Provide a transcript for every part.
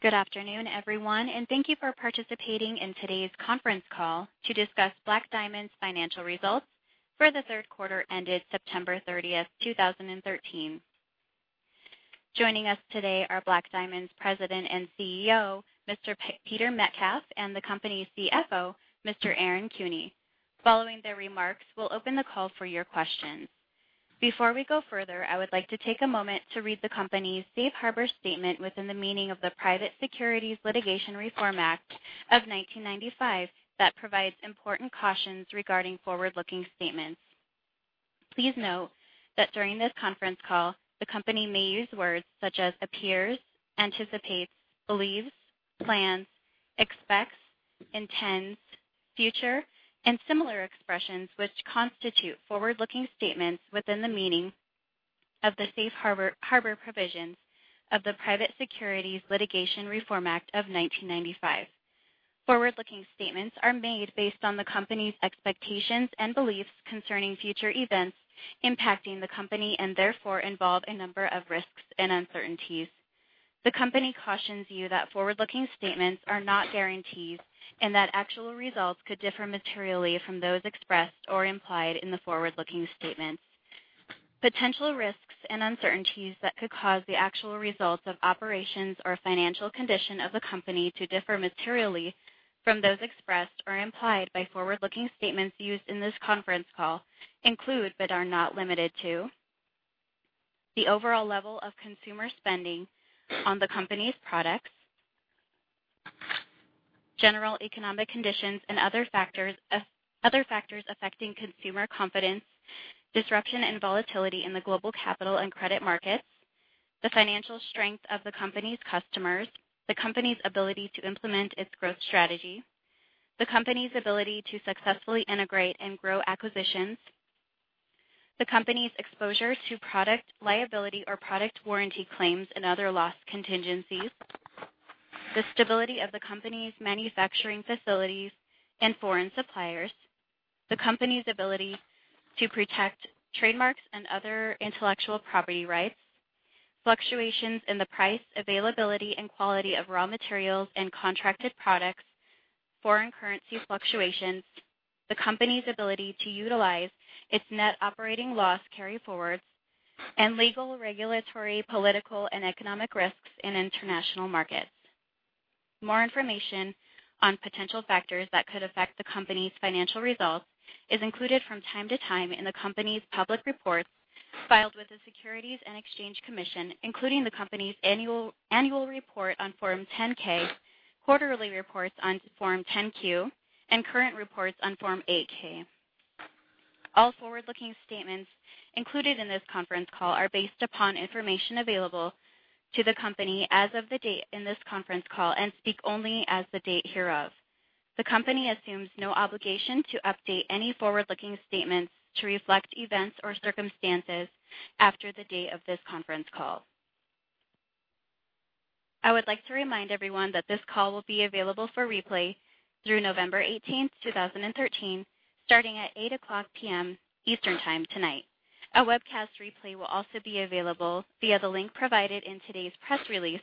Good afternoon, everyone, and thank you for participating in today's conference call to discuss Black Diamond's financial results for the third quarter ended September 30th, 2013. Joining us today are Black Diamond's President and CEO, Mr. Peter Metcalf, and the company's CFO, Mr. Aaron Kuehne. Following their remarks, we'll open the call for your questions. Before we go further, I would like to take a moment to read the company's Safe Harbor statement within the meaning of the Private Securities Litigation Reform Act of 1995, that provides important cautions regarding forward-looking statements. Please note that during this conference call, the company may use words such as appears, anticipates, believes, plans, expects, intends, future, and similar expressions, which constitute forward-looking statements within the meaning of the Safe Harbor provisions of the Private Securities Litigation Reform Act of 1995. Forward-looking statements are made based on the company's expectations and beliefs concerning future events impacting the company, and therefore involve a number of risks and uncertainties. The company cautions you that forward-looking statements are not guarantees, and that actual results could differ materially from those expressed or implied in the forward-looking statements. Potential risks and uncertainties that could cause the actual results of operations or financial condition of the company to differ materially from those expressed or implied by forward-looking statements used in this conference call include, but are not limited to, the overall level of consumer spending on the company's products, general economic conditions and other factors affecting consumer confidence, disruption and volatility in the global capital and credit markets, the financial strength of the company's customers, the company's ability to implement its growth strategy, the company's ability to successfully integrate and grow acquisitions, the company's exposure to product liability or product warranty claims and other loss contingencies, the stability of the company's manufacturing facilities and foreign suppliers, the company's ability to protect trademarks and other intellectual property rights, fluctuations in the price, availability, and quality of raw materials and contracted products, foreign currency fluctuations, the company's ability to utilize its net operating loss carryforwards, and legal, regulatory, political, and economic risks in international markets. More information on potential factors that could affect the company's financial results is included from time to time in the company's public reports filed with the Securities and Exchange Commission, including the company's annual report on Form 10-K, quarterly reports on Form 10-Q, and current reports on Form 8-K. All forward-looking statements included in this conference call are based upon information available to the company as of the date in this conference call and speak only as the date hereof. The company assumes no obligation to update any forward-looking statements to reflect events or circumstances after the date of this conference call. I would like to remind everyone that this call will be available for replay through November 18th, 2013, starting at 8:00 P.M. Eastern Time tonight. A webcast replay will also be available via the link provided in today's press release,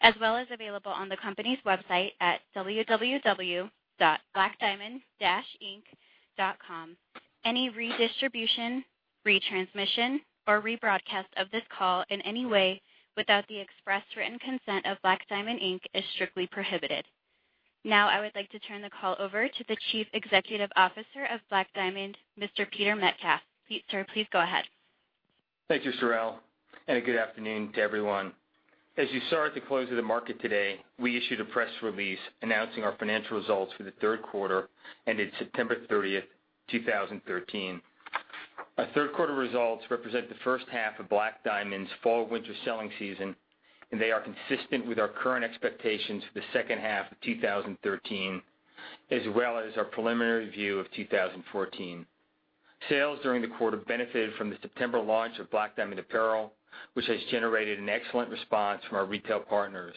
as well as available on the company's website at www.blackdiamond-inc.com. Any redistribution, retransmission, or rebroadcast of this call in any way without the express written consent of Black Diamond, Inc. is strictly prohibited. I would like to turn the call over to the Chief Executive Officer of Black Diamond, Mr. Peter Metcalf. Sir, please go ahead. Thank you, Sorelle, and good afternoon to everyone. As you saw at the close of the market today, we issued a press release announcing our financial results for the third quarter ended September 30th, 2013. Our third quarter results represent the first half of Black Diamond's fall/winter selling season, and they are consistent with our current expectations for the second half of 2013, as well as our preliminary view of 2014. Sales during the quarter benefited from the September launch of Black Diamond Apparel, which has generated an excellent response from our retail partners.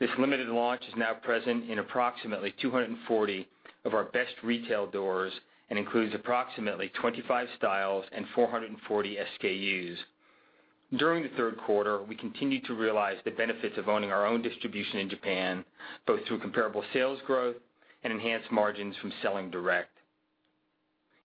This limited launch is now present in approximately 240 of our best retail doors and includes approximately 25 styles and 440 SKUs. During the third quarter, we continued to realize the benefits of owning our own distribution in Japan, both through comparable sales growth and enhanced margins from selling direct.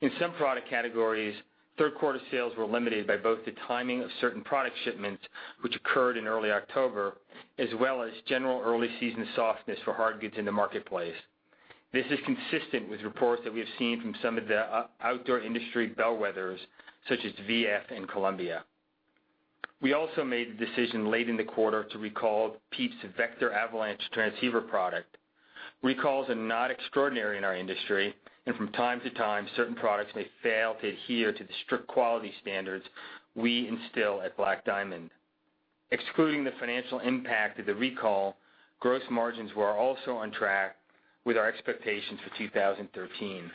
In some product categories, third-quarter sales were limited by both the timing of certain product shipments, which occurred in early October, as well as general early-season softness for hard goods in the marketplace. This is consistent with reports that we have seen from some of the outdoor industry bellwethers, such as VF and Columbia. We also made the decision late in the quarter to recall Pieps VECTOR avalanche transceiver product. Recalls are not extraordinary in our industry, and from time to time, certain products may fail to adhere to the strict quality standards we instill at Black Diamond. Excluding the financial impact of the recall, gross margins were also on track with our expectations for 2013.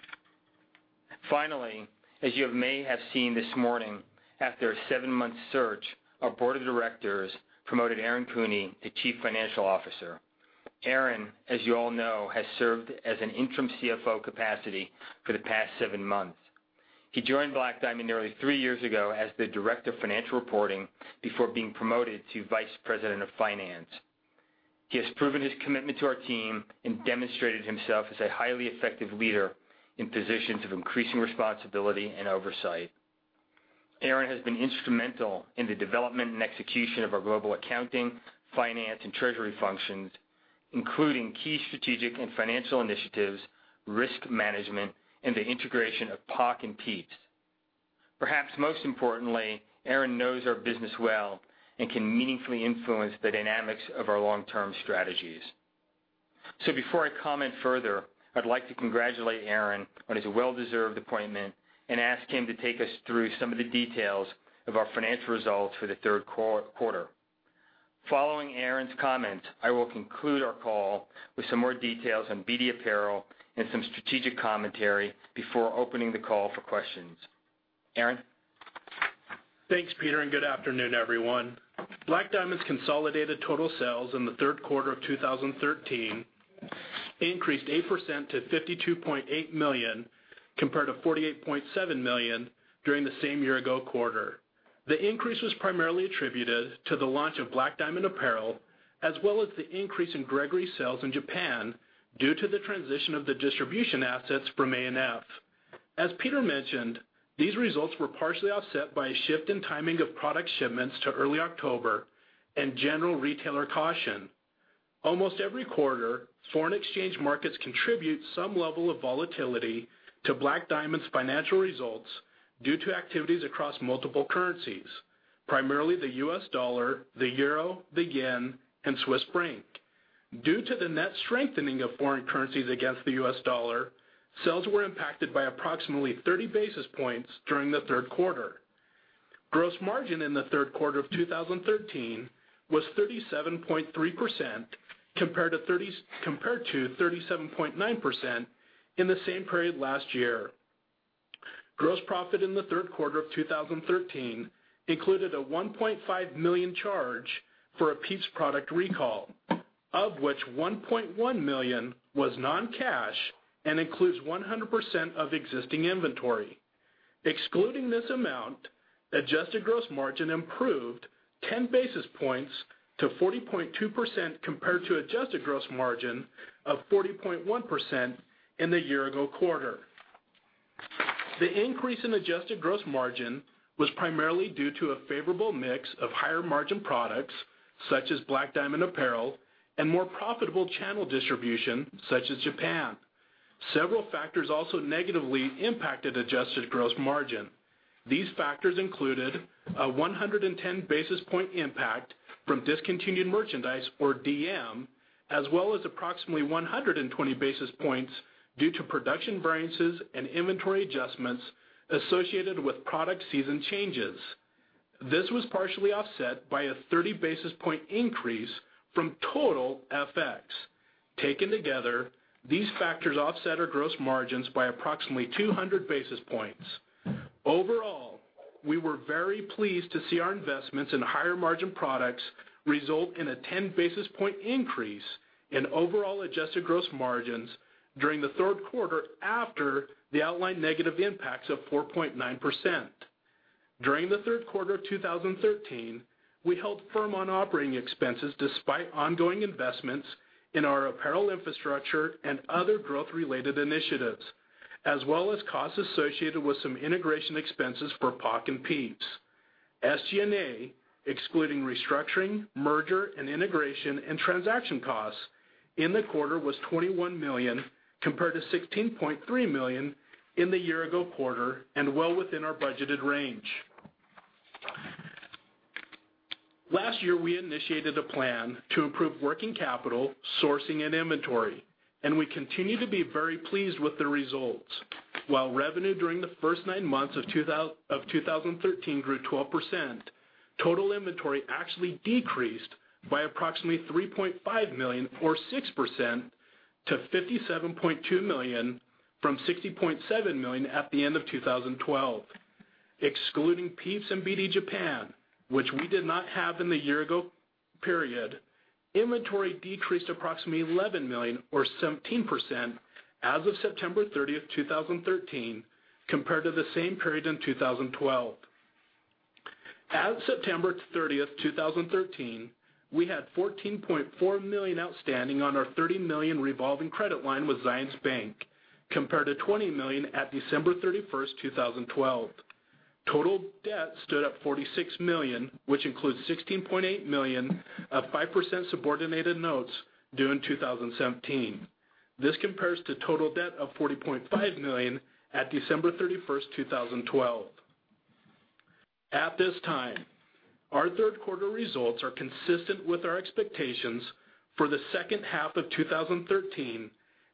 As you may have seen this morning, after a seven-month search, our board of directors promoted Aaron Kuehne to Chief Financial Officer. Aaron, as you all know, has served as an interim CFO capacity for the past seven months. He joined Black Diamond nearly three years ago as the Director of Financial Reporting before being promoted to Vice President of Finance. He has proven his commitment to our team and demonstrated himself as a highly effective leader in positions of increasing responsibility and oversight. Aaron has been instrumental in the development and execution of our global accounting, finance, and treasury functions, including key strategic and financial initiatives, risk management, and the integration of POC and PIEPS. Perhaps most importantly, Aaron knows our business well and can meaningfully influence the dynamics of our long-term strategies. Before I comment further, I'd like to congratulate Aaron on his well-deserved appointment and ask him to take us through some of the details of our financial results for the third quarter. Following Aaron's comments, I will conclude our call with some more details on BD Apparel and some strategic commentary before opening the call for questions. Aaron? Thanks, Peter, and good afternoon, everyone. Black Diamond's consolidated total sales in the third quarter of 2013 increased 8% to $52.8 million, compared to $48.7 million during the same year-ago quarter. The increase was primarily attributed to the launch of Black Diamond Apparel, as well as the increase in Gregory sales in Japan due to the transition of the distribution assets from A&F. As Peter mentioned, these results were partially offset by a shift in timing of product shipments to early October and general retailer caution. Almost every quarter, foreign exchange markets contribute some level of volatility to Black Diamond's financial results due to activities across multiple currencies, primarily the US dollar, the euro, the yen, and Swiss franc. Due to the net strengthening of foreign currencies against the US dollar, sales were impacted by approximately 30 basis points during the third quarter. Gross margin in the third quarter of 2013 was 37.3% compared to 37.9% in the same period last year. Gross profit in the third quarter of 2013 included a $1.5 million charge for a PIEPS product recall, of which $1.1 million was non-cash and includes 100% of existing inventory. Excluding this amount, adjusted gross margin improved 10 basis points to 40.2% compared to adjusted gross margin of 40.1% in the year-ago quarter. The increase in adjusted gross margin was primarily due to a favorable mix of higher-margin products, such as Black Diamond Apparel, and more profitable channel distribution, such as Japan. Several factors also negatively impacted adjusted gross margin. These factors included a 110 basis point impact from discontinued merchandise or DM, as well as approximately 120 basis points due to production variances and inventory adjustments associated with product season changes. This was partially offset by a 30 basis point increase from total FX. Taken together, these factors offset our gross margins by approximately 200 basis points. Overall, we were very pleased to see our investments in higher-margin products result in a 10 basis point increase in overall adjusted gross margins during the third quarter after the outlined negative impacts of 4.9%. During the third quarter of 2013, we held firm on operating expenses despite ongoing investments in our apparel infrastructure and other growth-related initiatives, as well as costs associated with some integration expenses for POC and PIEPS. SG&A, excluding restructuring, merger and integration, and transaction costs in the quarter was $21 million, compared to $16.3 million in the year-ago quarter and well within our budgeted range. Last year, we initiated a plan to improve working capital, sourcing, and inventory, and we continue to be very pleased with the results. While revenue during the first nine months of 2013 grew 12%, total inventory actually decreased by approximately $3.5 million or 6% to $57.2 million, from $60.7 million at the end of 2012. Excluding PIEPS and BD Japan, which we did not have in the year-ago period, inventory decreased approximately $11 million or 17% as of September 30th, 2013, compared to the same period in 2012. As of September 30th, 2013, we had $14.4 million outstanding on our $30 million revolving credit line with Zions Bank, compared to $20 million at December 31st, 2012. Total debt stood at $46 million, which includes $16.8 million of 5% subordinated notes due in 2017. This compares to total debt of $40.5 million at December 31st, 2012. At this time, our third quarter results are consistent with our expectations for the second half of 2013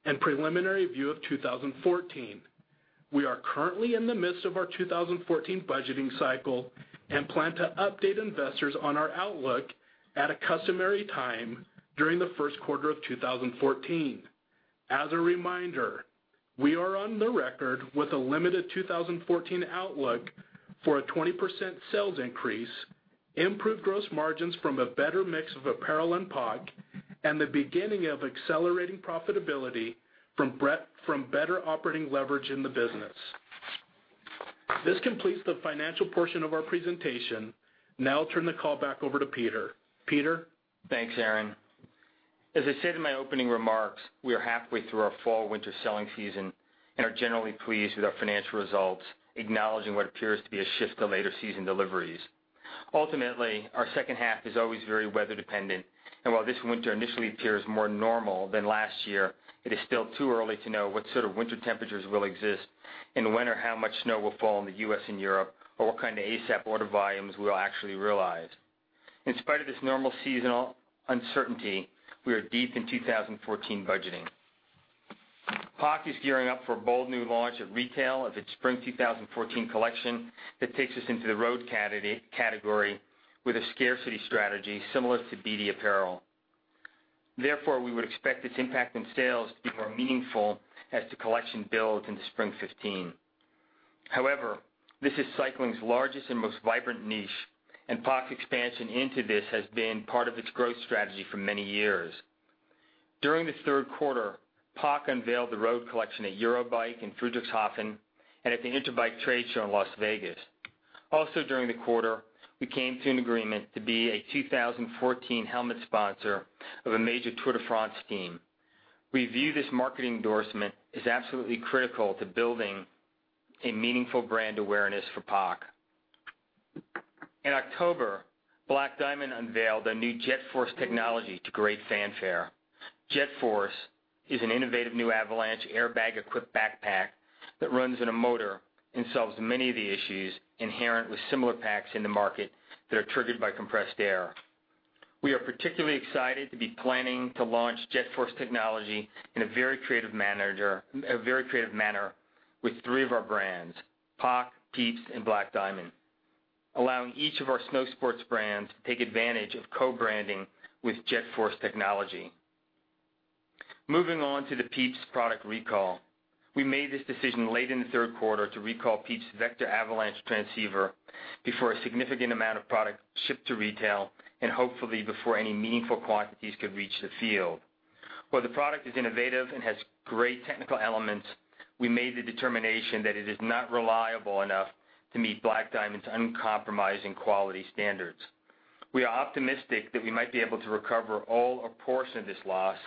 and preliminary view of 2014. We are currently in the midst of our 2014 budgeting cycle and plan to update investors on our outlook at a customary time during the first quarter of 2014. As a reminder, we are on the record with a limited 2014 outlook For a 20% sales increase, improved gross margins from a better mix of apparel and POC, and the beginning of accelerating profitability from better operating leverage in the business. This completes the financial portion of our presentation. Now I'll turn the call back over to Peter. Peter? Thanks, Aaron. As I said in my opening remarks, we are halfway through our fall/winter selling season and are generally pleased with our financial results, acknowledging what appears to be a shift to later season deliveries. Ultimately, our second half is always very weather dependent, and while this winter initially appears more normal than last year, it is still too early to know what sort of winter temperatures will exist and whether how much snow will fall in the U.S. and Europe, or what kind of ASAP order volumes we'll actually realize. In spite of this normal seasonal uncertainty, we are deep in 2014 budgeting. POC is gearing up for a bold new launch at retail of its spring 2014 collection that takes us into the road category with a scarcity strategy similar to BD Apparel. Therefore, we would expect its impact on sales to be more meaningful as the collection builds into spring 2015. However, this is cycling's largest and most vibrant niche, and POC's expansion into this has been part of its growth strategy for many years. During the third quarter, POC unveiled the road collection at EUROBIKE in Friedrichshafen and at the Interbike Trade Show in Las Vegas. Also during the quarter, we came to an agreement to be a 2014 helmet sponsor of a major Tour de France team. We view this marketing endorsement as absolutely critical to building a meaningful brand awareness for POC. In October, Black Diamond unveiled a new JetForce technology to great fanfare. JetForce is an innovative new avalanche airbag-equipped backpack that runs on a motor and solves many of the issues inherent with similar packs in the market that are triggered by compressed air. We are particularly excited to be planning to launch JetForce technology in a very creative manner with three of our brands, POC, PIEPS, and Black Diamond, allowing each of our snow sports brands to take advantage of co-branding with JetForce technology. Moving on to the PIEPS product recall. We made this decision late in the third quarter to recall PIEPS' VECTOR avalanche transceiver before a significant amount of product shipped to retail and hopefully before any meaningful quantities could reach the field. While the product is innovative and has great technical elements, we made the determination that it is not reliable enough to meet Black Diamond's uncompromising quality standards. We are optimistic that we might be able to recover all or portion of this loss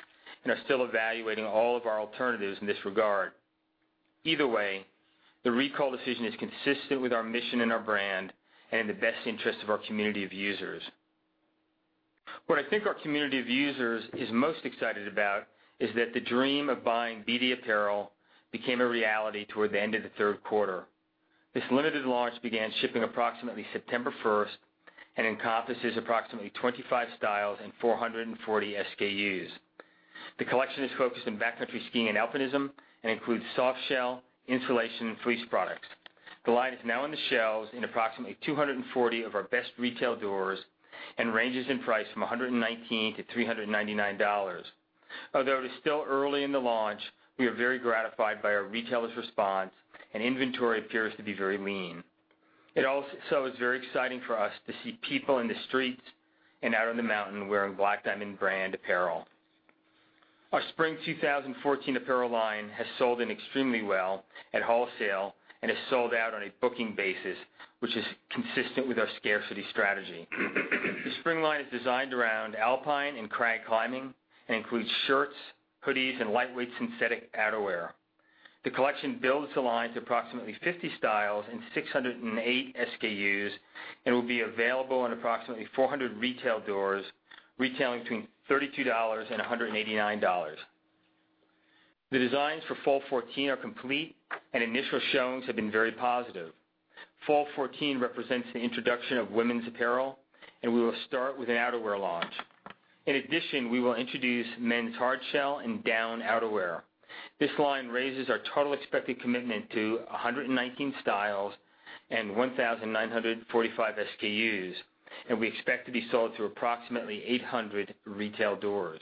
and are still evaluating all of our alternatives in this regard. Either way, the recall decision is consistent with our mission and our brand and in the best interest of our community of users. What I think our community of users is most excited about is that the dream of buying BD Apparel became a reality toward the end of the third quarter. This limited launch began shipping approximately September 1st and encompasses approximately 25 styles and 440 SKUs. The collection is focused on backcountry skiing and alpinism and includes soft shell, insulation, and fleece products. The line is now on the shelves in approximately 240 of our best retail doors and ranges in price from $119-$399. Although it is still early in the launch, we are very gratified by our retailers' response, and inventory appears to be very lean. It also is very exciting for us to see people in the streets and out on the mountain wearing Black Diamond brand apparel. Our spring 2014 apparel line has sold extremely well at wholesale and has sold out on a booking basis, which is consistent with our scarcity strategy. The spring line is designed around alpine and crag climbing and includes shirts, hoodies, and lightweight synthetic outerwear. The collection builds the line to approximately 50 styles and 608 SKUs and will be available in approximately 400 retail doors, retailing between $32 and $189. The designs for fall 2014 are complete, and initial showings have been very positive. Fall 2014 represents the introduction of women's apparel, and we will start with an outerwear launch. In addition, we will introduce men's hardshell and down outerwear. This line raises our total expected commitment to 119 styles and 1,945 SKUs, and we expect to be sold through approximately 800 retail doors.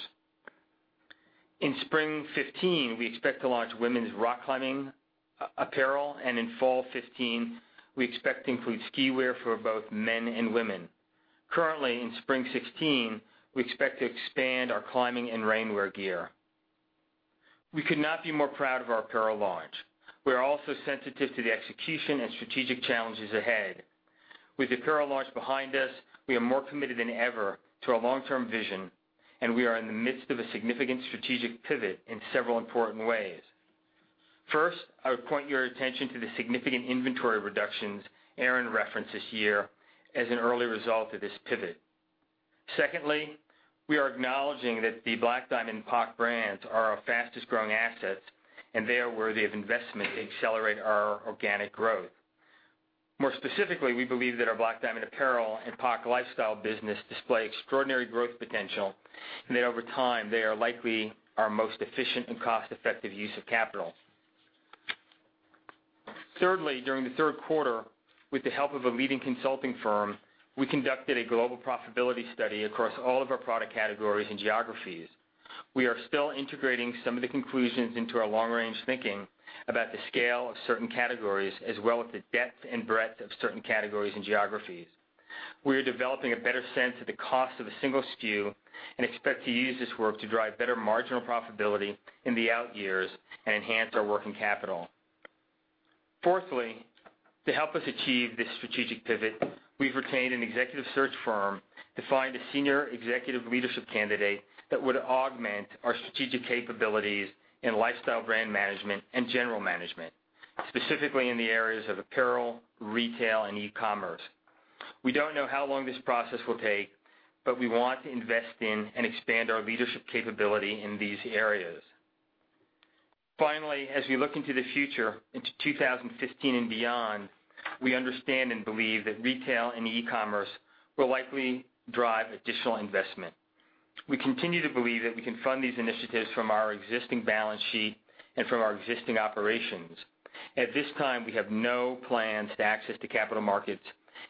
In spring 2015, we expect to launch women's rock climbing apparel, and in fall 2015, we expect to include ski wear for both men and women. Currently, in spring 2016, we expect to expand our climbing and rain wear gear. We could not be more proud of our apparel launch. We are also sensitive to the execution and strategic challenges ahead. With the apparel launch behind us, we are more committed than ever to our long-term vision, and we are in the midst of a significant strategic pivot in several important ways. First, I would point your attention to the significant inventory reductions Aaron referenced this year as an early result of this pivot. Secondly, we are acknowledging that the Black Diamond and POC brands are our fastest-growing assets, and they are worthy of investment to accelerate our organic growth. More specifically, we believe that our Black Diamond Apparel and POC lifestyle business display extraordinary growth potential and that over time, they are likely our most efficient and cost-effective use of capital. Thirdly, during the third quarter with the help of a leading consulting firm, we conducted a global profitability study across all of our product categories and geographies. We are still integrating some of the conclusions into our long-range thinking about the scale of certain categories, as well as the depth and breadth of certain categories and geographies. We are developing a better sense of the cost of a single SKU and expect to use this work to drive better marginal profitability in the out years and enhance our working capital. Fourthly, to help us achieve this strategic pivot, we've retained an executive search firm to find a senior executive leadership candidate that would augment our strategic capabilities in lifestyle brand management and general management, specifically in the areas of apparel, retail, and e-commerce. We don't know how long this process will take, but we want to invest in and expand our leadership capability in these areas. Finally, as we look into the future, into 2015 and beyond, we understand and believe that retail and e-commerce will likely drive additional investment. We continue to believe that we can fund these initiatives from our existing balance sheet and from our existing operations. At this time, we have no plans to access the capital markets,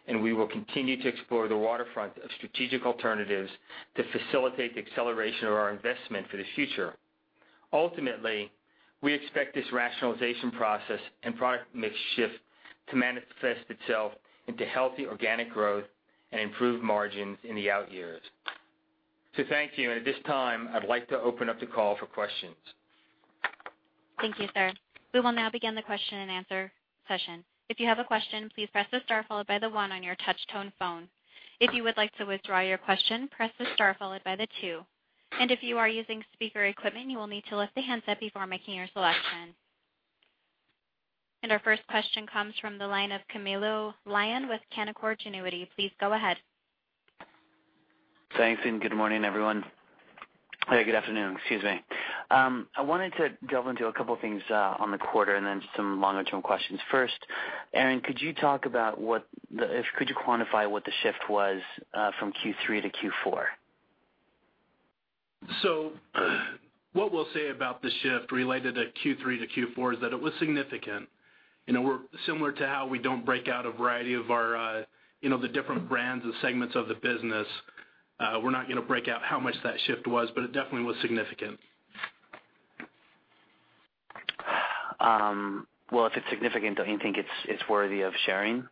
and we will continue to explore the waterfront of strategic alternatives to facilitate the acceleration of our investment for the future. Ultimately, we expect this rationalization process and product mix shift to manifest itself into healthy organic growth and improved margins in the out years. Thank you. At this time, I'd like to open up the call for questions. Thank you, sir. We will now begin the question and answer session. If you have a question, please press the star followed by the one on your touch tone phone. If you would like to withdraw your question, press the star followed by the two. If you are using speaker equipment, you will need to lift the handset before making your selection. Our first question comes from the line of Camilo Lyon with Canaccord Genuity. Please go ahead. Thanks, good morning, everyone. Good afternoon. Excuse me. I wanted to delve into a couple of things on the quarter and then some longer-term questions. First, Aaron, could you quantify what the shift was from Q3 to Q4? What we'll say about the shift related to Q3 to Q4 is that it was significant. Similar to how we don't break out a variety of the different brands and segments of the business, we're not going to break out how much that shift was, but it definitely was significant. Well, if it's significant, don't you think it's worthy of sharing?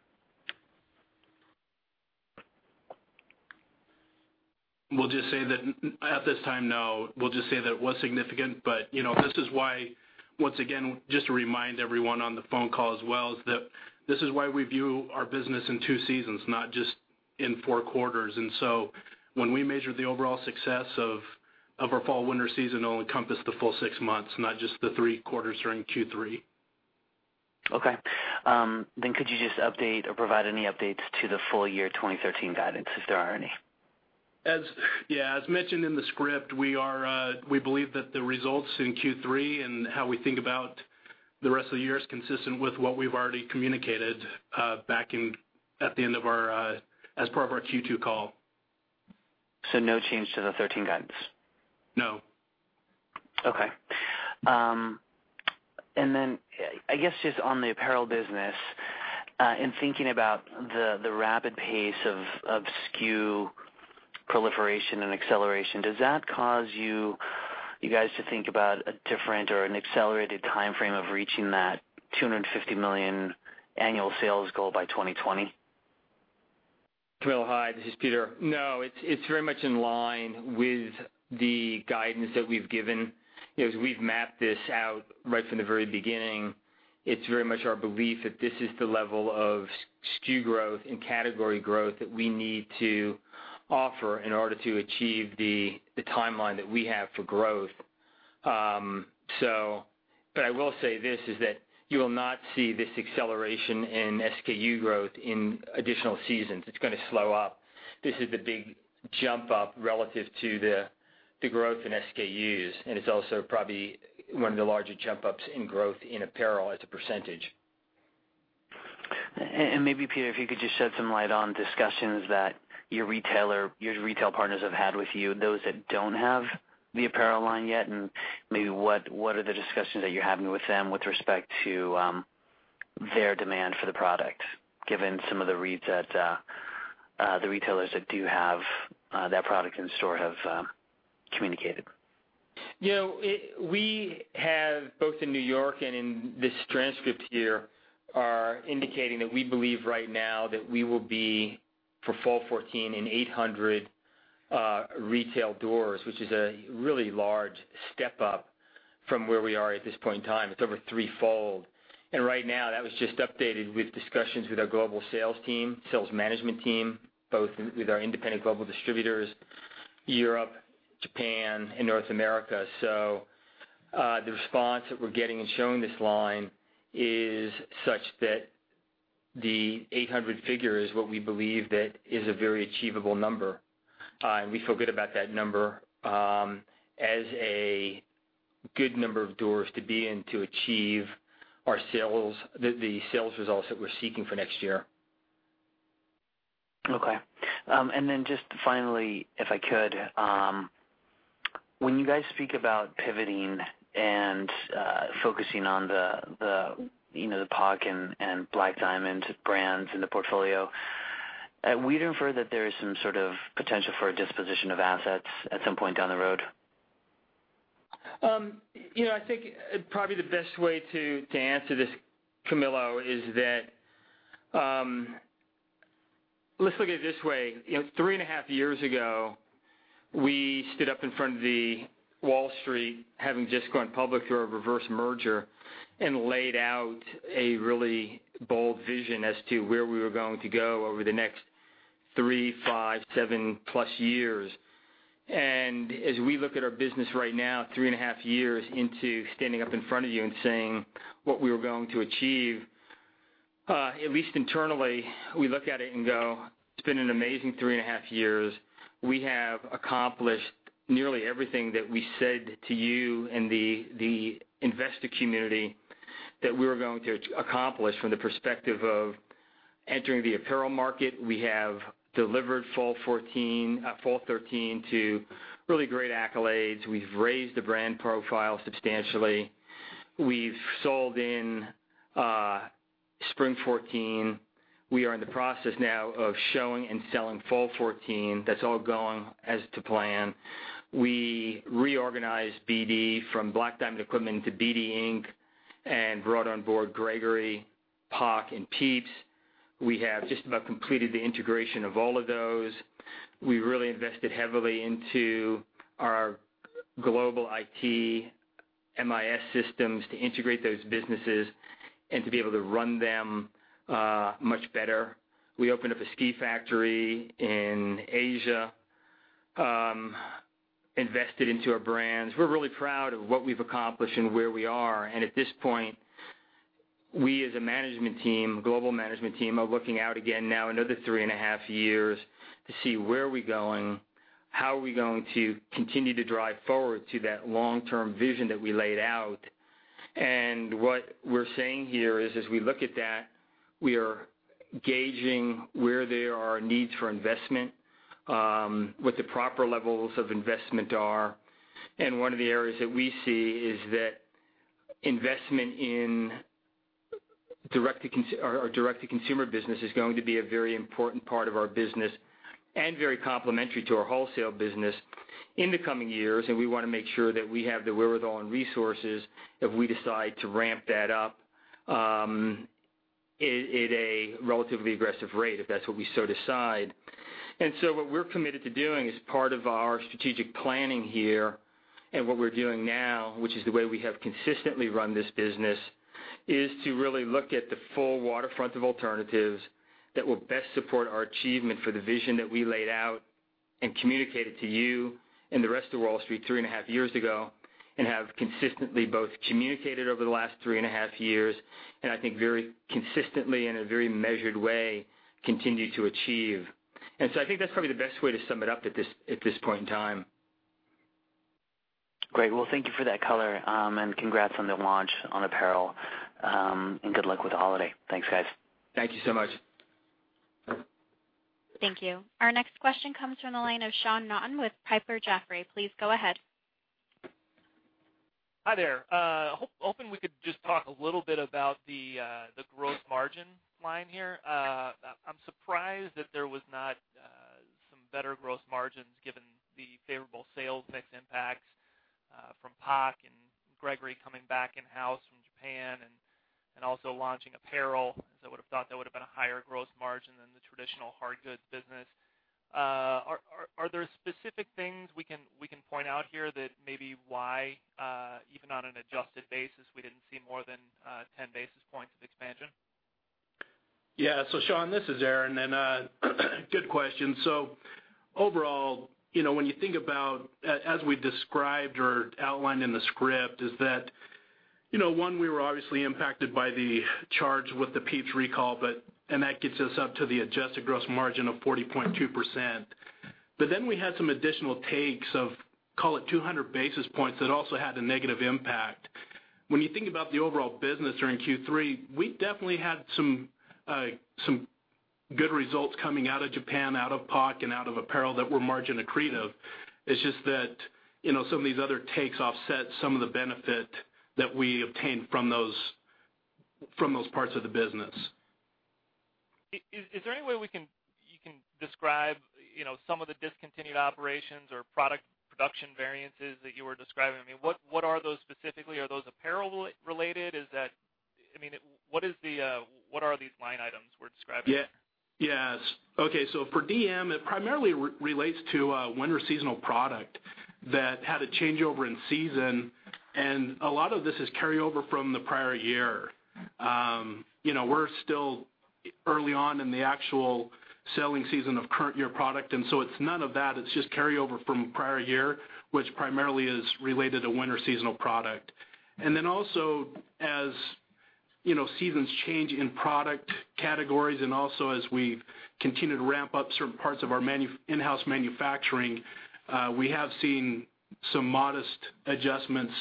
We'll just say that at this time, no. We'll just say that it was significant. This is why, once again, just to remind everyone on the phone call as well, is that this is why we view our business in two seasons, not just in four quarters. When we measure the overall success of our fall-winter season, it'll encompass the full six months, not just the three quarters during Q3. Could you just update or provide any updates to the full year 2013 guidance, if there are any? As mentioned in the script, we believe that the results in Q3 and how we think about the rest of the year is consistent with what we've already communicated back as part of our Q2 call. No change to the 2013 guidance? No. I guess just on the apparel business, in thinking about the rapid pace of SKU proliferation and acceleration, does that cause you guys to think about a different or an accelerated timeframe of reaching that $250 million annual sales goal by 2020? Camilo, hi. This is Peter. No, it's very much in line with the guidance that we've given. As we've mapped this out right from the very beginning, it's very much our belief that this is the level of SKU growth and category growth that we need to offer in order to achieve the timeline that we have for growth. I will say this, is that you will not see this acceleration in SKU growth in additional seasons. It's going to slow up. This is the big jump up relative to the growth in SKUs, and it's also probably one of the larger jump ups in growth in apparel as a %. Maybe, Peter, if you could just shed some light on discussions that your retail partners have had with you, those that don't have the apparel line yet, maybe what are the discussions that you're having with them with respect to their demand for the product, given some of the reads that the retailers that do have that product in store have communicated. We have, both in New York and in this transcript here, are indicating that we believe right now that we will be, for fall 2014, in 800 retail doors, which is a really large step up from where we are at this point in time. It's over threefold. Right now, that was just updated with discussions with our global sales team, sales management team, both with our independent global distributors, Europe, Japan, and North America. The response that we're getting in showing this line is such that the 800 figure is what we believe that is a very achievable number. We feel good about that number as a good number of doors to be in to achieve the sales results that we're seeking for next year. Okay. Then just finally, if I could, when you guys speak about pivoting and focusing on the POC and Black Diamond brands in the portfolio, we'd infer that there is some sort of potential for a disposition of assets at some point down the road. I think probably the best way to answer this, Camilo, is that, let's look at it this way. Three and a half years ago, we stood up in front of Wall Street, having just gone public through a reverse merger, and laid out a really bold vision as to where we were going to go over the next three, five, seven plus years. As we look at our business right now, three and a half years into standing up in front of you and saying what we were going to achieve, at least internally, we look at it and go, it's been an amazing three and a half years. We have accomplished nearly everything that we said to you and the investor community that we were going to accomplish from the perspective of entering the apparel market. We have delivered fall 2013 to really great accolades. We've raised the brand profile substantially. We've sold in spring 2014. We are in the process now of showing and selling fall 2014. That's all going as to plan. We reorganized BD from Black Diamond Equipment into BD Inc. and brought on board Gregory, POC, and PIEPS. We have just about completed the integration of all of those. We really invested heavily into our global IT MIS systems to integrate those businesses and to be able to run them much better. We opened up a ski factory in Asia, invested into our brands. We're really proud of what we've accomplished and where we are. At this point, we as a management team, global management team, are looking out again now another three and a half years to see where are we going, how are we going to continue to drive forward to that long-term vision that we laid out. What we're saying here is, as we look at that, we are gauging where there are needs for investment, what the proper levels of investment are. One of the areas that we see is that investment in our direct-to-consumer business is going to be a very important part of our business and very complementary to our wholesale business in the coming years. We want to make sure that we have the wherewithal and resources if we decide to ramp that up at a relatively aggressive rate, if that's what we so decide. What we're committed to doing as part of our strategic planning here, and what we're doing now, which is the way we have consistently run this business, is to really look at the full waterfront of alternatives that will best support our achievement for the vision that we laid out and communicated to you and the rest of Wall Street three and a half years ago, and have consistently both communicated over the last three and a half years, and I think very consistently in a very measured way, continue to achieve. I think that's probably the best way to sum it up at this point in time. Well, thank you for that color, congrats on the launch on apparel. Good luck with the holiday. Thanks, guys. Thank you so much. Thank you. Our next question comes from the line of Sean Naughton with Piper Jaffray. Please go ahead. Hi there. Hoping we could just talk a little bit about the gross margin line here. I'm surprised that there was not some better gross margins given the favorable sales mix impacts from POC and Gregory coming back in-house from Japan and also launching apparel, as I would've thought that would've been a higher gross margin than the traditional hard goods business. Are there specific things we can point out here that maybe why, even on an adjusted basis, we didn't see more than 10 basis points of expansion? Yeah. Sean, this is Aaron, good question. Overall, when you think about, as we described or outlined in the script, is that, one, we were obviously impacted by the charge with the PIEPS recall, and that gets us up to the adjusted gross margin of 40.2%. We had some additional takes of, call it 200 basis points that also had a negative impact. When you think about the overall business during Q3, we definitely had some good results coming out of Japan, out of POC and out of apparel that were margin accretive. It's just that some of these other takes offset some of the benefit that we obtained from those parts of the business. Is there any way you can describe some of the discontinued operations or product production variances that you were describing? I mean, what are those specifically? Are those apparel related? I mean, what are these line items we're describing? Yes. Okay. For DM, it primarily relates to winter seasonal product that had a changeover in season, a lot of this is carryover from the prior year. We're still early on in the actual selling season of current year product, it's none of that. It's just carryover from prior year, which primarily is related to winter seasonal product. Also as seasons change in product categories and also as we continue to ramp up certain parts of our in-house manufacturing, we have seen some modest adjustments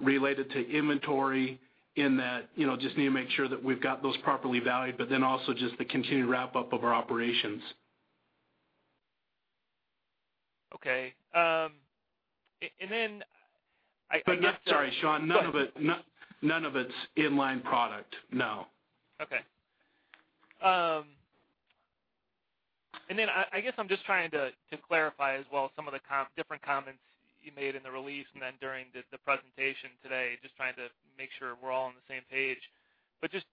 related to inventory in that just need to make sure that we've got those properly valued, also just the continued ramp-up of our operations. Okay. Sorry, Sean. Go ahead. None of it's in-line product, no. Okay. I guess I'm just trying to clarify as well some of the different comments you made in the release and then during the presentation today, just trying to make sure we're all on the same page. Just,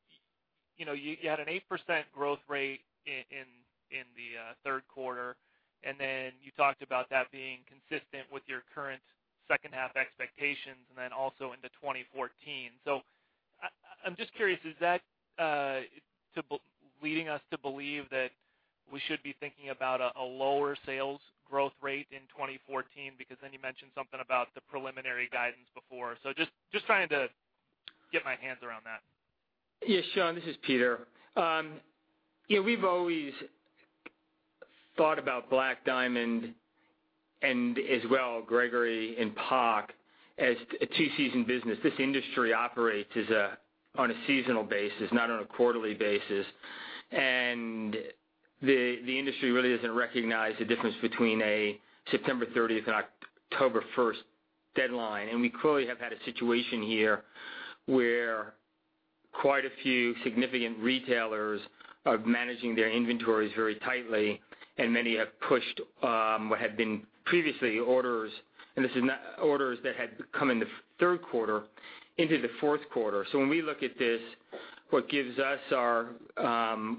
you had an 8% growth rate in the third quarter, and then you talked about that being consistent with your current second half expectations, and then also into 2014. I'm just curious, is that leading us to believe that we should be thinking about a lower sales growth rate in 2014? You mentioned something about the preliminary guidance before. Just trying to get my hands around that. Sean, this is Peter. We've always thought about Black Diamond, and as well, Gregory and POC, as a two-season business. This industry operates on a seasonal basis, not on a quarterly basis. The industry really doesn't recognize the difference between a September 30th and October 1st deadline. We clearly have had a situation here where quite a few significant retailers are managing their inventories very tightly, and many have pushed what had been previously orders, and this is orders that had come in the third quarter into the fourth quarter. When we look at this, what gives us our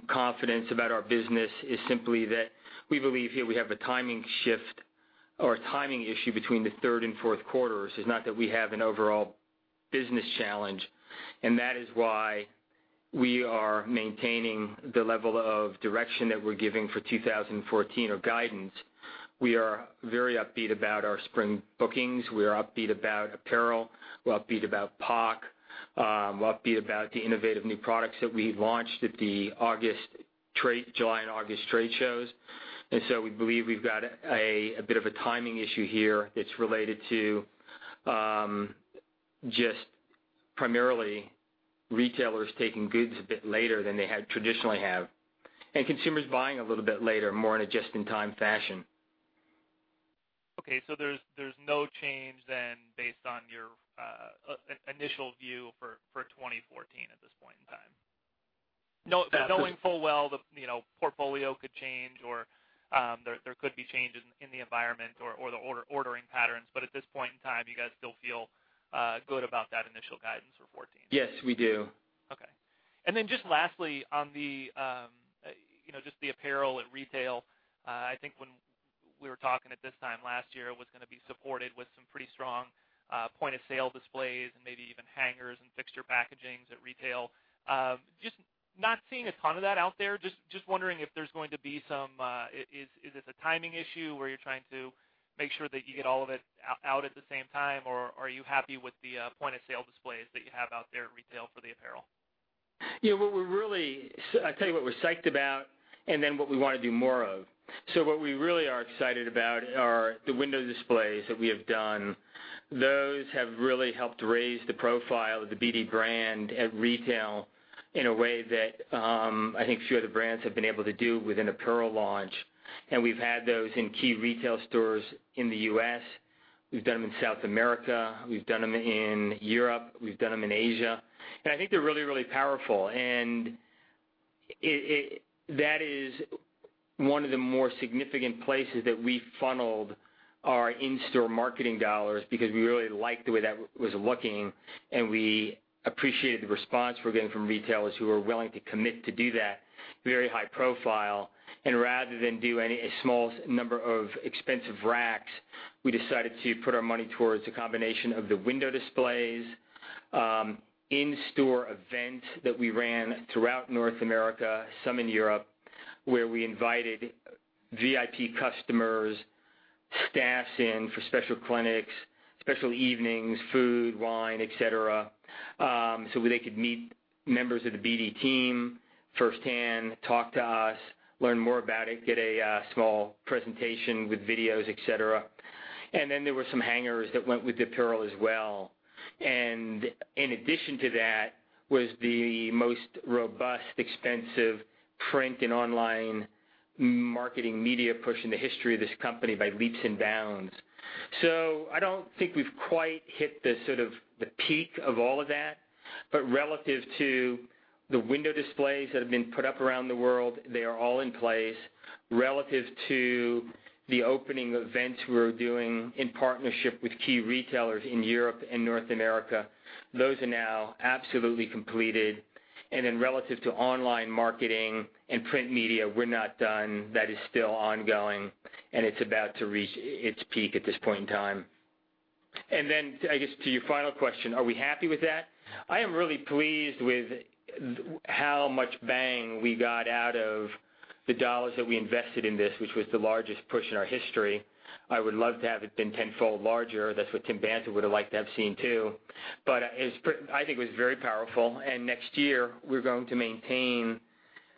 confidence about our business is simply that we believe here we have a timing shift or a timing issue between the third and fourth quarters. It's not that we have an overall business challenge. That is why we are maintaining the level of direction that we're giving for 2014 of guidance. We are very upbeat about our spring bookings. We are upbeat about apparel. We're upbeat about POC. We're upbeat about the innovative new products that we launched at the July and August trade shows. We believe we've got a bit of a timing issue here that's related to just primarily retailers taking goods a bit later than they had traditionally have, and consumers buying a little bit later, more in a just-in-time fashion. There's no change then based on your initial view for 2014 at this point in time? No. Knowing full well the portfolio could change or there could be changes in the environment or the ordering patterns. At this point in time, you guys still feel good about that initial guidance for 2014? Yes, we do. Okay. Just lastly, on just the apparel at retail. I think when we were talking at this time last year, it was going to be supported with some pretty strong point-of-sale displays and maybe even hangers and fixture packagings at retail. Just not seeing a ton of that out there. Just wondering if there's going to be Is this a timing issue where you're trying to make sure that you get all of it out at the same time, or are you happy with the point-of-sale displays that you have out there at retail for the apparel? Yeah, I'll tell you what we're psyched about and then what we want to do more of. What we really are excited about are the window displays that we have done. Those have really helped raise the profile of the BD brand at retail in a way that I think few other brands have been able to do with an apparel launch. We've had those in key retail stores in the U.S., we've done them in South America, we've done them in Europe, we've done them in Asia. I think they're really, really powerful. That is one of the more significant places that we funneled our in-store marketing dollars because we really liked the way that was looking, and we appreciated the response we're getting from retailers who are willing to commit to do that very high profile. Rather than do a small number of expensive racks, we decided to put our money towards a combination of the window displays, in-store events that we ran throughout North America, some in Europe, where we invited VIP customers, staffs in for special clinics, special evenings, food, wine, et cetera, so they could meet members of the BD team firsthand, talk to us, learn more about it, get a small presentation with videos, et cetera. Then there were some hangers that went with the apparel as well. In addition to that, was the most robust, expensive print and online marketing media push in the history of this company by leaps and bounds. I don't think we've quite hit the sort of the peak of all of that. Relative to the window displays that have been put up around the world, they are all in place. Relative to the opening events we're doing in partnership with key retailers in Europe and North America, those are now absolutely completed. Relative to online marketing and print media, we're not done. That is still ongoing, and it's about to reach its peak at this point in time. I guess to your final question, are we happy with that? I am really pleased with how much bang we got out of the $ that we invested in this, which was the largest push in our history. I would love to have it been tenfold larger. That's what Tim Banta would've liked to have seen, too. I think it was very powerful. Next year, we're going to maintain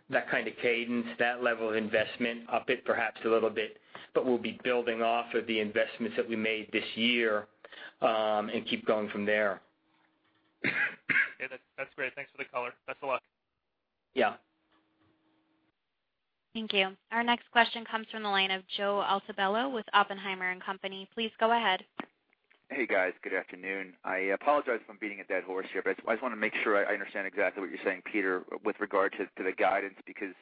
that kind of cadence, that level of investment, up it perhaps a little bit, we'll be building off of the investments that we made this year, and keep going from there. Great. Thanks for the color. Best of luck. Yeah. Thank you. Our next question comes from the line of Joe Altobello with Oppenheimer & Co. Please go ahead. Hey, guys. Good afternoon. I apologize if I'm beating a dead horse here, I just want to make sure I understand exactly what you're saying, Peter, with regard to the guidance, because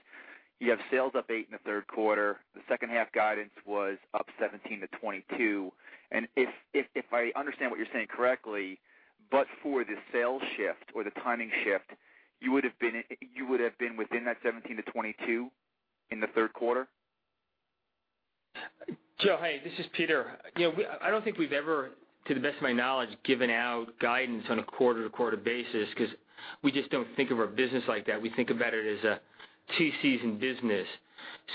you have sales up eight in the third quarter. The second-half guidance was up 17%-22%. If I understand what you're saying correctly, for the sales shift or the timing shift, you would've been within that 17%-22% in the third quarter? Joe, hey. This is Peter. I don't think we've ever, to the best of my knowledge, given out guidance on a quarter-to-quarter basis because we just don't think of our business like that. We think about it as a two-season business.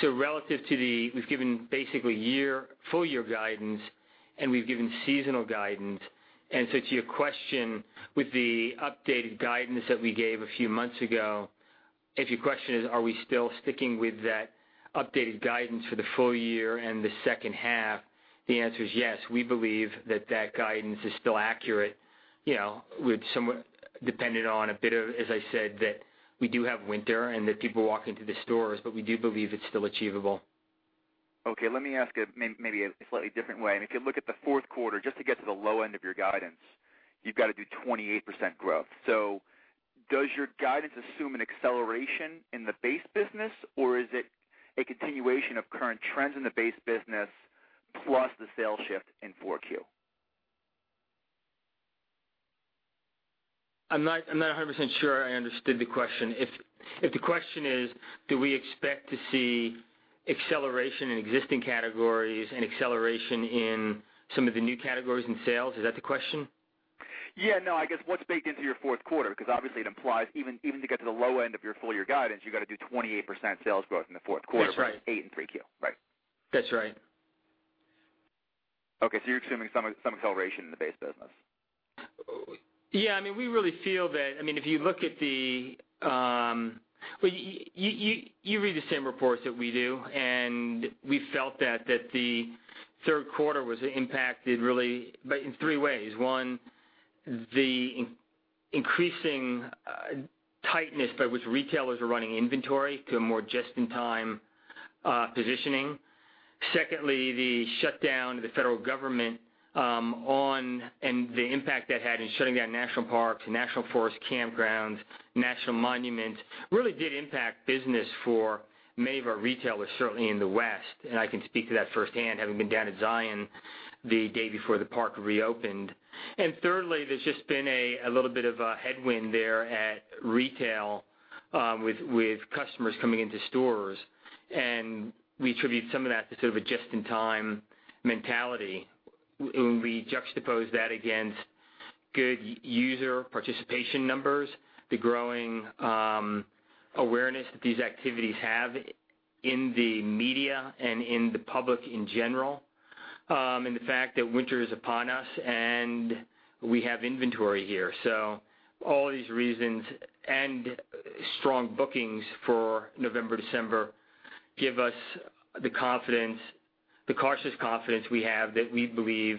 We've given basically full-year guidance, and we've given seasonal guidance. To your question, with the updated guidance that we gave a few months ago, if your question is, are we still sticking with that updated guidance for the full year and the second half, the answer is yes. We believe that that guidance is still accurate, dependent on a bit of, as I said, that we do have winter and that people walk into the stores, we do believe it's still achievable. Okay. Let me ask it maybe a slightly different way. If you look at the fourth quarter, just to get to the low end of your guidance, you've got to do 28% growth. Does your guidance assume an acceleration in the base business, or is it a continuation of current trends in the base business plus the sales shift in 4Q? I'm not 100% sure I understood the question. If the question is, do we expect to see acceleration in existing categories and acceleration in some of the new categories in sales? Is that the question? Yeah, no. I guess what's baked into your fourth quarter? Obviously it implies even to get to the low end of your full-year guidance, you've got to do 28% sales growth in the fourth quarter- That's right from eight in 3Q, right? That's right. Okay, you're assuming some acceleration in the base business. Yeah, we really feel that. You read the same reports that we do, we felt that the third quarter was impacted really in three ways. One, the increasing tightness by which retailers are running inventory to a more just-in-time positioning. Secondly, the shutdown of the federal government and the impact that had in shutting down national parks, national forest campgrounds, national monuments, really did impact business for many of our retailers, certainly in the West. I can speak to that firsthand, having been down to Zion the day before the park reopened. Thirdly, there's just been a little bit of a headwind there at retail with customers coming into stores. We attribute some of that to sort of a just-in-time mentality. When we juxtapose that against good user participation numbers, the growing awareness that these activities have in the media and in the public in general, the fact that winter is upon us and we have inventory here. All these reasons and strong bookings for November, December give us the cautious confidence we have that we believe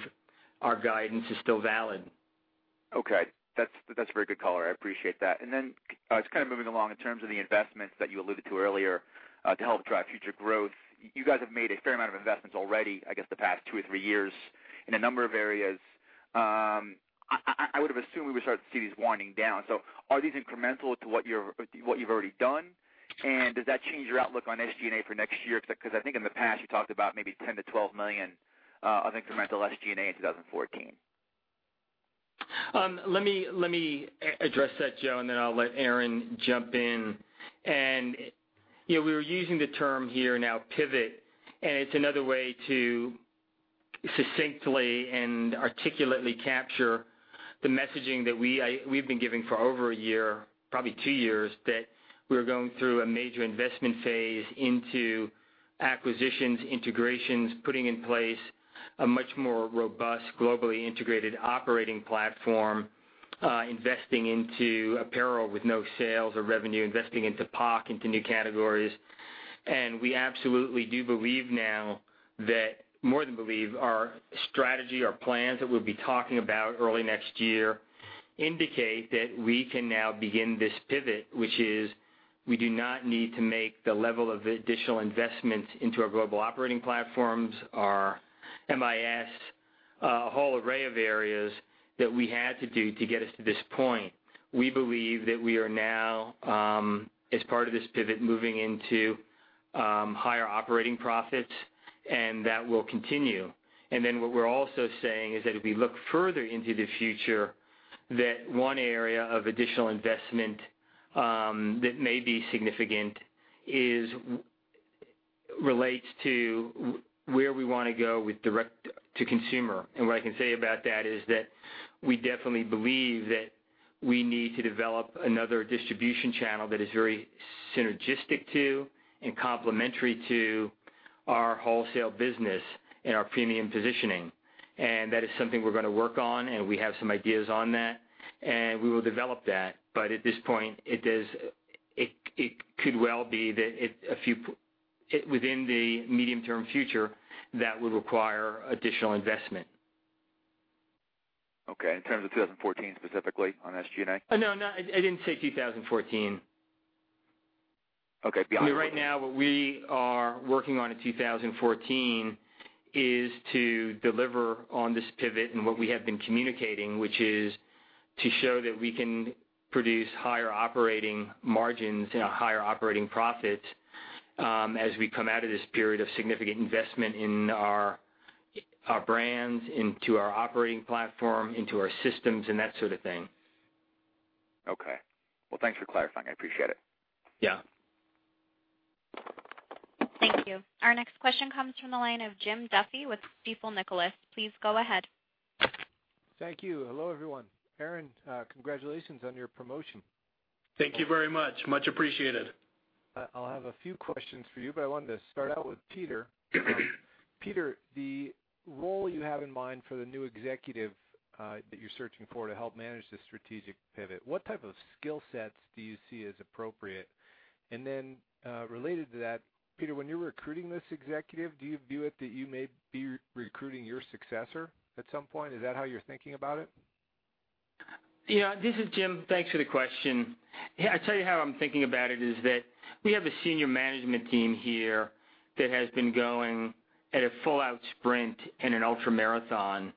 our guidance is still valid. Okay. That's a very good color. I appreciate that. Then just kind of moving along, in terms of the investments that you alluded to earlier to help drive future growth, you guys have made a fair amount of investments already, I guess, the past two or three years in a number of areas. I would've assumed we would start to see these winding down. Are these incremental to what you've already done? Does that change your outlook on SG&A for next year? I think in the past, you talked about maybe $10 million-$12 million of incremental SG&A in 2014. Let me address that, Joe, then I'll let Aaron Kuehne jump in. We were using the term here now pivot, it's another way to succinctly and articulately capture the messaging that we've been giving for over a year, probably two years, that we're going through a major investment phase into acquisitions, integrations, putting in place a much more robust, globally integrated operating platform, investing into apparel with no sales or revenue, investing into POC, into new categories. We absolutely do believe now that, more than believe, our strategy, our plans that we'll be talking about early next year indicate that we can now begin this pivot, which is we do not need to make the level of additional investments into our global operating platforms, our MIS, a whole array of areas that we had to do to get us to this point. We believe that we are now, as part of this pivot, moving into higher operating profits, that will continue. Then what we're also saying is that if we look further into the future, that one area of additional investment that may be significant relates to where we want to go with direct to consumer. What I can say about that is that we definitely believe that we need to develop another distribution channel that is very synergistic to and complementary to our wholesale business and our premium positioning. That is something we're going to work on, we have some ideas on that, and we will develop that. At this point, it could well be that within the medium-term future, that would require additional investment. Okay. In terms of 2014 specifically on SG&A? No, I didn't say 2014. Okay. Beyond that. Right now, what we are working on in 2014 is to deliver on this pivot and what we have been communicating, which is to show that we can produce higher operating margins and higher operating profits, as we come out of this period of significant investment in our brands, into our operating platform, into our systems, and that sort of thing. Okay. Well, thanks for clarifying. I appreciate it. Yeah. Thank you. Our next question comes from the line of Jim Duffy with Stifel Nicolaus. Please go ahead. Thank you. Hello, everyone. Aaron, congratulations on your promotion. Thank you very much. Much appreciated. I'll have a few questions for you, but I wanted to start out with Peter. Peter, the role you have in mind for the new executive that you're searching for to help manage the strategic pivot, what type of skill sets do you see as appropriate? Related to that, Peter, when you're recruiting this executive, do you view it that you may be recruiting your successor at some point? Is that how you're thinking about it? Yeah. This is Jim. Thanks for the question. I tell you how I'm thinking about it is that we have a senior management team here that has been going at a full-out sprint in an ultramarathon,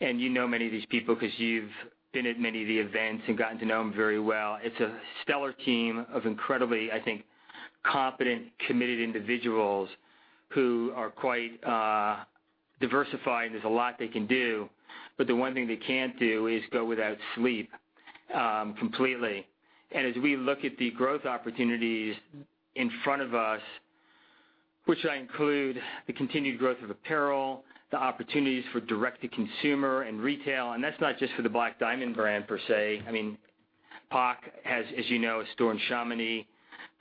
and you know many of these people because you've been at many of the events and gotten to know them very well. It's a stellar team of incredibly, I think, competent, committed individuals who are quite diversified, and there's a lot they can do. The one thing they can't do is go without sleep completely. As we look at the growth opportunities in front of us, which I include the continued growth of apparel, the opportunities for direct-to-consumer and retail, and that's not just for the Black Diamond brand per se. POC has, as you know, a store in Chamonix.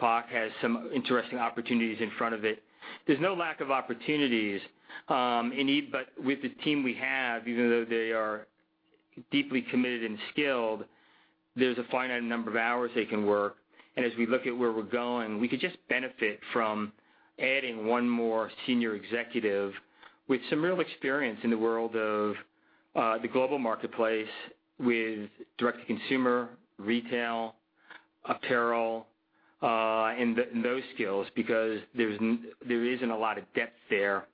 POC has some interesting opportunities in front of it. There's no lack of opportunities. With the team we have, even though they are deeply committed and skilled, there's a finite number of hours they can work. As we look at where we're going, we could just benefit from adding one more senior executive with some real experience in the world of the global marketplace with direct-to-consumer, retail, apparel, and those skills, because there isn't a lot of depth there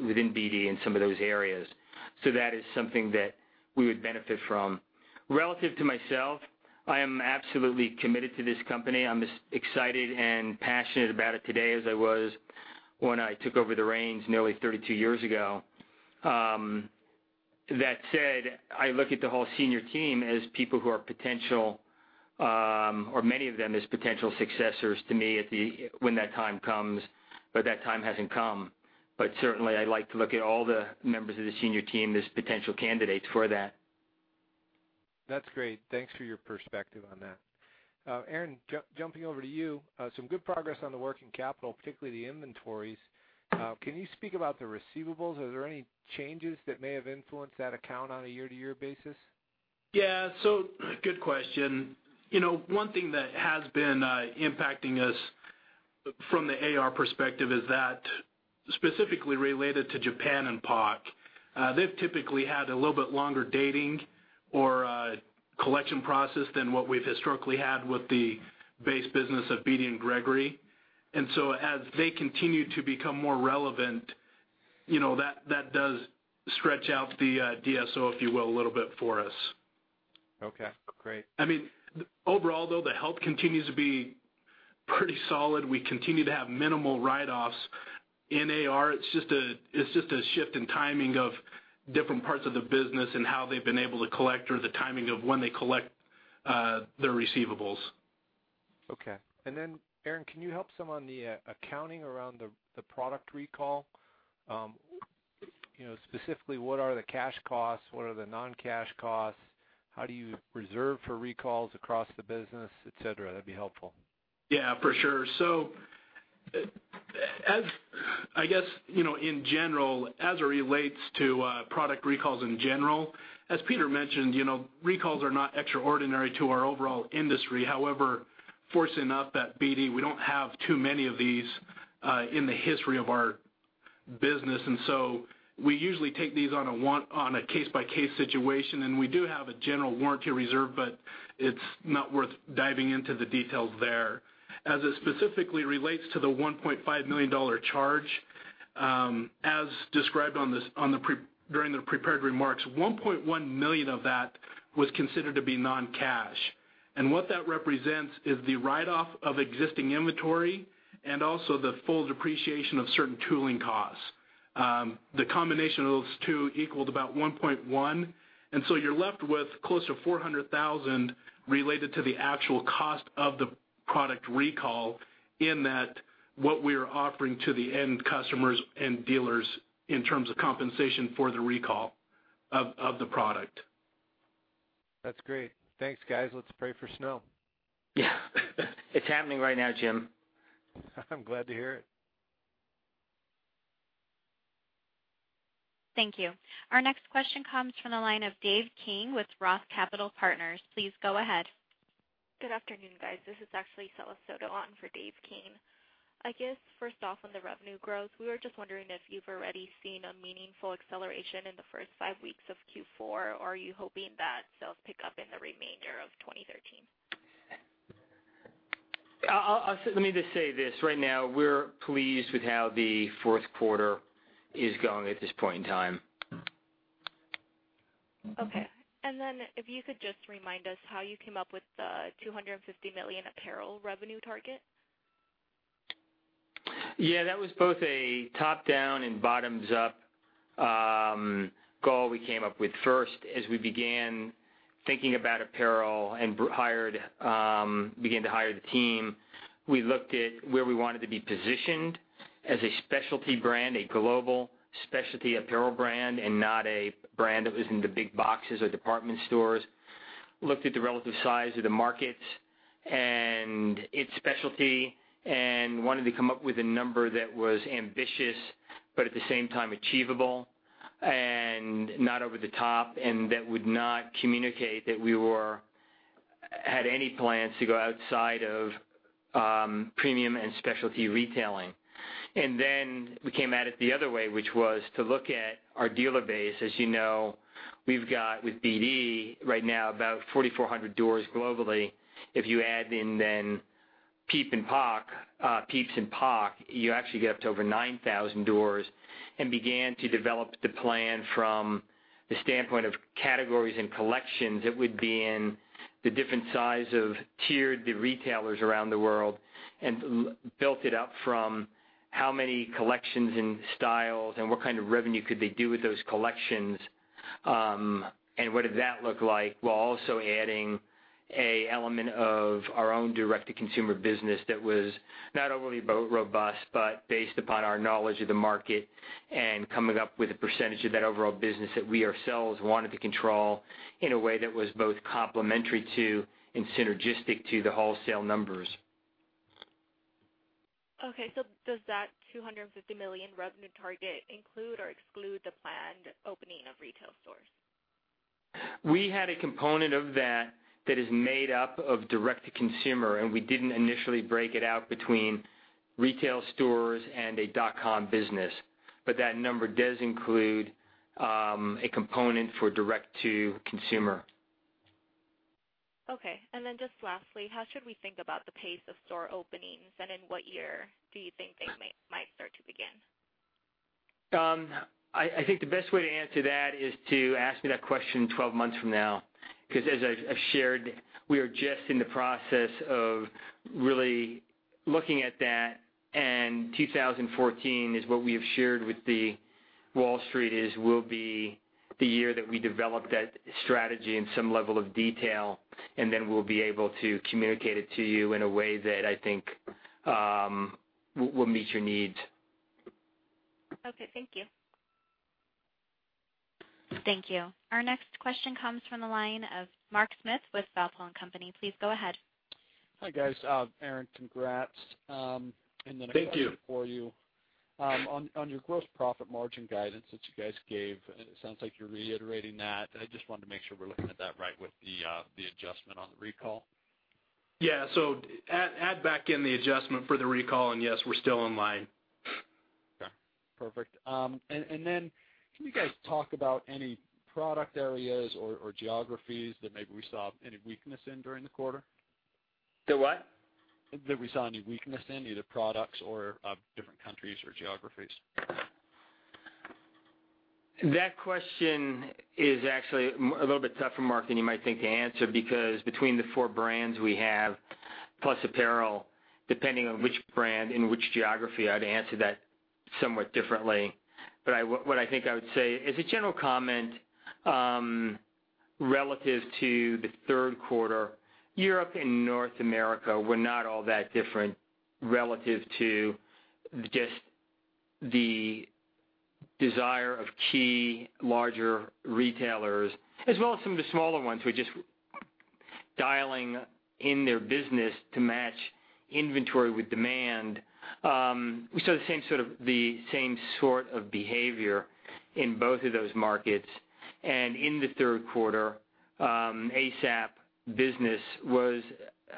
within BD in some of those areas. That is something that we would benefit from. Relative to myself, I am absolutely committed to this company. I'm as excited and passionate about it today as I was when I took over the reins nearly 32 years ago. That said, I look at the whole senior team as people who are potential, or many of them as potential successors to me when that time comes, that time hasn't come. Certainly, I like to look at all the members of the senior team as potential candidates for that. That's great. Thanks for your perspective on that. Aaron, jumping over to you. Some good progress on the working capital, particularly the inventories. Can you speak about the receivables? Are there any changes that may have influenced that account on a year-to-year basis? Yeah. Good question. One thing that has been impacting us from the AR perspective is that specifically related to Japan and POC. They've typically had a little bit longer dating or collection process than what we've historically had with the base business of BD and Gregory. As they continue to become more relevant, that does stretch out the DSO, if you will, a little bit for us. Okay. Great. Overall though, the health continues to be pretty solid. We continue to have minimal write-offs in AR. It's just a shift in timing of different parts of the business and how they've been able to collect or the timing of when they collect their receivables. Okay. Aaron, can you help some on the accounting around the product recall? Specifically, what are the cash costs? What are the non-cash costs? How do you reserve for recalls across the business? Et cetera. That'd be helpful. Yeah, for sure. I guess, in general, as it relates to product recalls in general, as Peter mentioned, recalls are not extraordinary to our overall industry. However, fortunately enough at BD, we don't have too many of these in the history of our business. We usually take these on a case-by-case situation, and we do have a general warranty reserve, but it's not worth diving into the details there. As it specifically relates to the $1.5 million charge, as described during the prepared remarks, $1.1 million of that was considered to be non-cash. What that represents is the write-off of existing inventory and also the full depreciation of certain tooling costs. The combination of those two equaled about $1.1. You're left with close to $400,000 related to the actual cost of the product recall in that what we are offering to the end customers and dealers in terms of compensation for the recall of the product. That's great. Thanks, guys. Let's pray for snow. Yeah. It's happening right now, Jim. I'm glad to hear it. Thank you. Our next question comes from the line of Dave King with ROTH Capital Partners. Please go ahead. Good afternoon, guys. This is actually Cala Soto on for Dave King. I guess first off, on the revenue growth, we were just wondering if you've already seen a meaningful acceleration in the first five weeks of Q4, or are you hoping that sales pick up in the remainder of 2013? Let me just say this. Right now, we're pleased with how the fourth quarter is going at this point in time. Okay. Then if you could just remind us how you came up with the $250 million apparel revenue target. Yeah, that was both a top-down and bottoms-up goal we came up with first as we began thinking about apparel and began to hire the team. We looked at where we wanted to be positioned as a specialty brand, a global specialty apparel brand, and not a brand that was in the big boxes or department stores. Looked at the relative size of the markets and its specialty and wanted to come up with a number that was ambitious, but at the same time achievable and not over the top, and that would not communicate that we had any plans to go outside of premium and specialty retailing. Then we came at it the other way, which was to look at our dealer base. As you know, we've got with BD right now about 4,400 doors globally. If you add in then Pieps and POC, you actually get up to over 9,000 doors and began to develop the plan from the standpoint of categories and collections it would be in, the different size of tier the retailers around the world, and built it up from how many collections and styles, and what kind of revenue could they do with those collections. What did that look like, while also adding a element of our own direct-to-consumer business that was not only robust, but based upon our knowledge of the market and coming up with a percentage of that overall business that we ourselves wanted to control in a way that was both complementary to and synergistic to the wholesale numbers. Okay. Does that $250 million revenue target include or exclude the planned opening of retail stores? We had a component of that that is made up of direct to consumer, we didn't initially break it out between retail stores and a dot com business. That number does include a component for direct to consumer. Okay. Just lastly, how should we think about the pace of store openings, and in what year do you think they might start to begin? I think the best way to answer that is to ask me that question 12 months from now, because as I've shared, we are just in the process of really looking at that. 2014 is what we have shared with Wall Street as will be the year that we develop that strategy in some level of detail. We'll be able to communicate it to you in a way that I think will meet your needs. Okay. Thank you. Thank you. Our next question comes from the line of Mark Smith with Feltl and Company. Please go ahead. Hi, guys. Aaron, congrats. Thank you. A question for you. On your gross profit margin guidance that you guys gave, and it sounds like you're reiterating that, and I just wanted to make sure we're looking at that right with the adjustment on the recall. Yeah. Add back in the adjustment for the recall, and yes, we're still in line. Perfect. Then can you guys talk about any product areas or geographies that maybe we saw any weakness in during the quarter? The what? That we saw any weakness in, either products or different countries or geographies. That question is actually a little bit tougher, Mark, than you might think to answer because between the four brands we have, plus apparel, depending on which brand and which geography, I'd answer that somewhat differently. What I think I would say as a general comment, relative to the third quarter, Europe and North America were not all that different relative to just the desire of key larger retailers, as well as some of the smaller ones who are just dialing in their business to match inventory with demand. We saw the same sort of behavior in both of those markets. In the third quarter, ASAP business was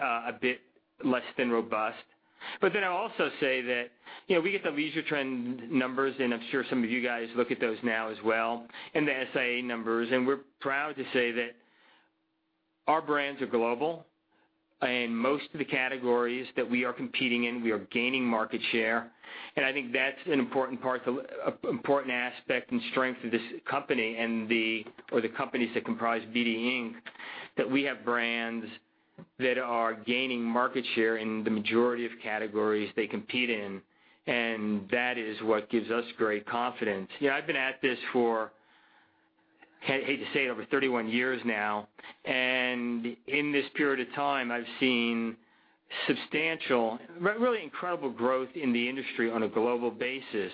a bit less than robust. I'd also say that we get the Leisure Trends numbers, and I'm sure some of you guys look at those now as well, and the SIA numbers, and we're proud to say that our brands are global. Most of the categories that we are competing in, we are gaining market share. I think that's an important aspect and strength of this company or the companies that comprise Black Diamond, Inc., that we have brands that are gaining market share in the majority of categories they compete in, and that is what gives us great confidence. I've been at this for, hate to say it, over 31 years now, and in this period of time, I've seen substantial, really incredible growth in the industry on a global basis.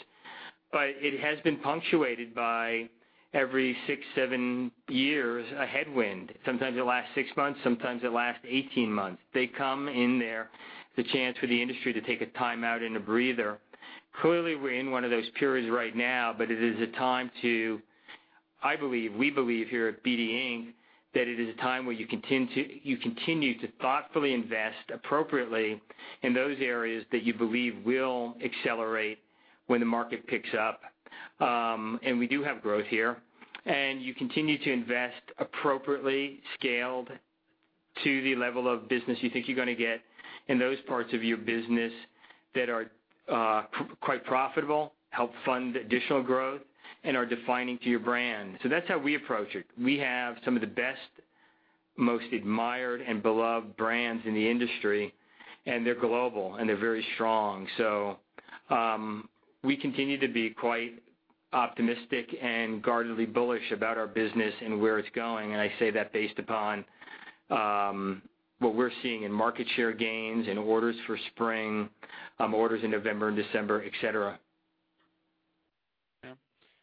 It has been punctuated by every six, seven years, a headwind. Sometimes it lasts six months, sometimes it lasts 18 months. They come and they're the chance for the industry to take a time out and a breather. Clearly, we're in one of those periods right now, but it is a time to, I believe, we believe here at Black Diamond, Inc., that it is a time where you continue to thoughtfully invest appropriately in those areas that you believe will accelerate when the market picks up. We do have growth here. You continue to invest appropriately scaled to the level of business you think you're going to get in those parts of your business that are quite profitable, help fund additional growth, and are defining to your brand. That's how we approach it. We have some of the best, most admired and beloved brands in the industry, and they're global, and they're very strong. We continue to be quite optimistic and guardedly bullish about our business and where it's going. I say that based upon what we're seeing in market share gains, in orders for spring, orders in November and December, et cetera.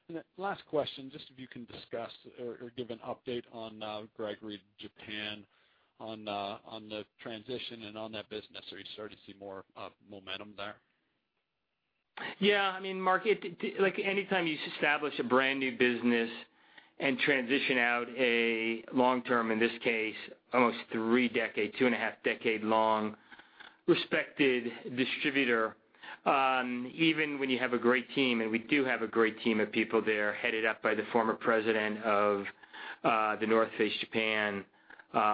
Yeah. Last question, just if you can discuss or give an update on Gregory Japan on the transition and on that business. Are you starting to see more momentum there? Mark, like any time you establish a brand-new business and transition out a long-term, in this case, almost three-decade, two and a half decade long respected distributor. Even when you have a great team, and we do have a great team of people there, headed up by the former president of The North Face Japan,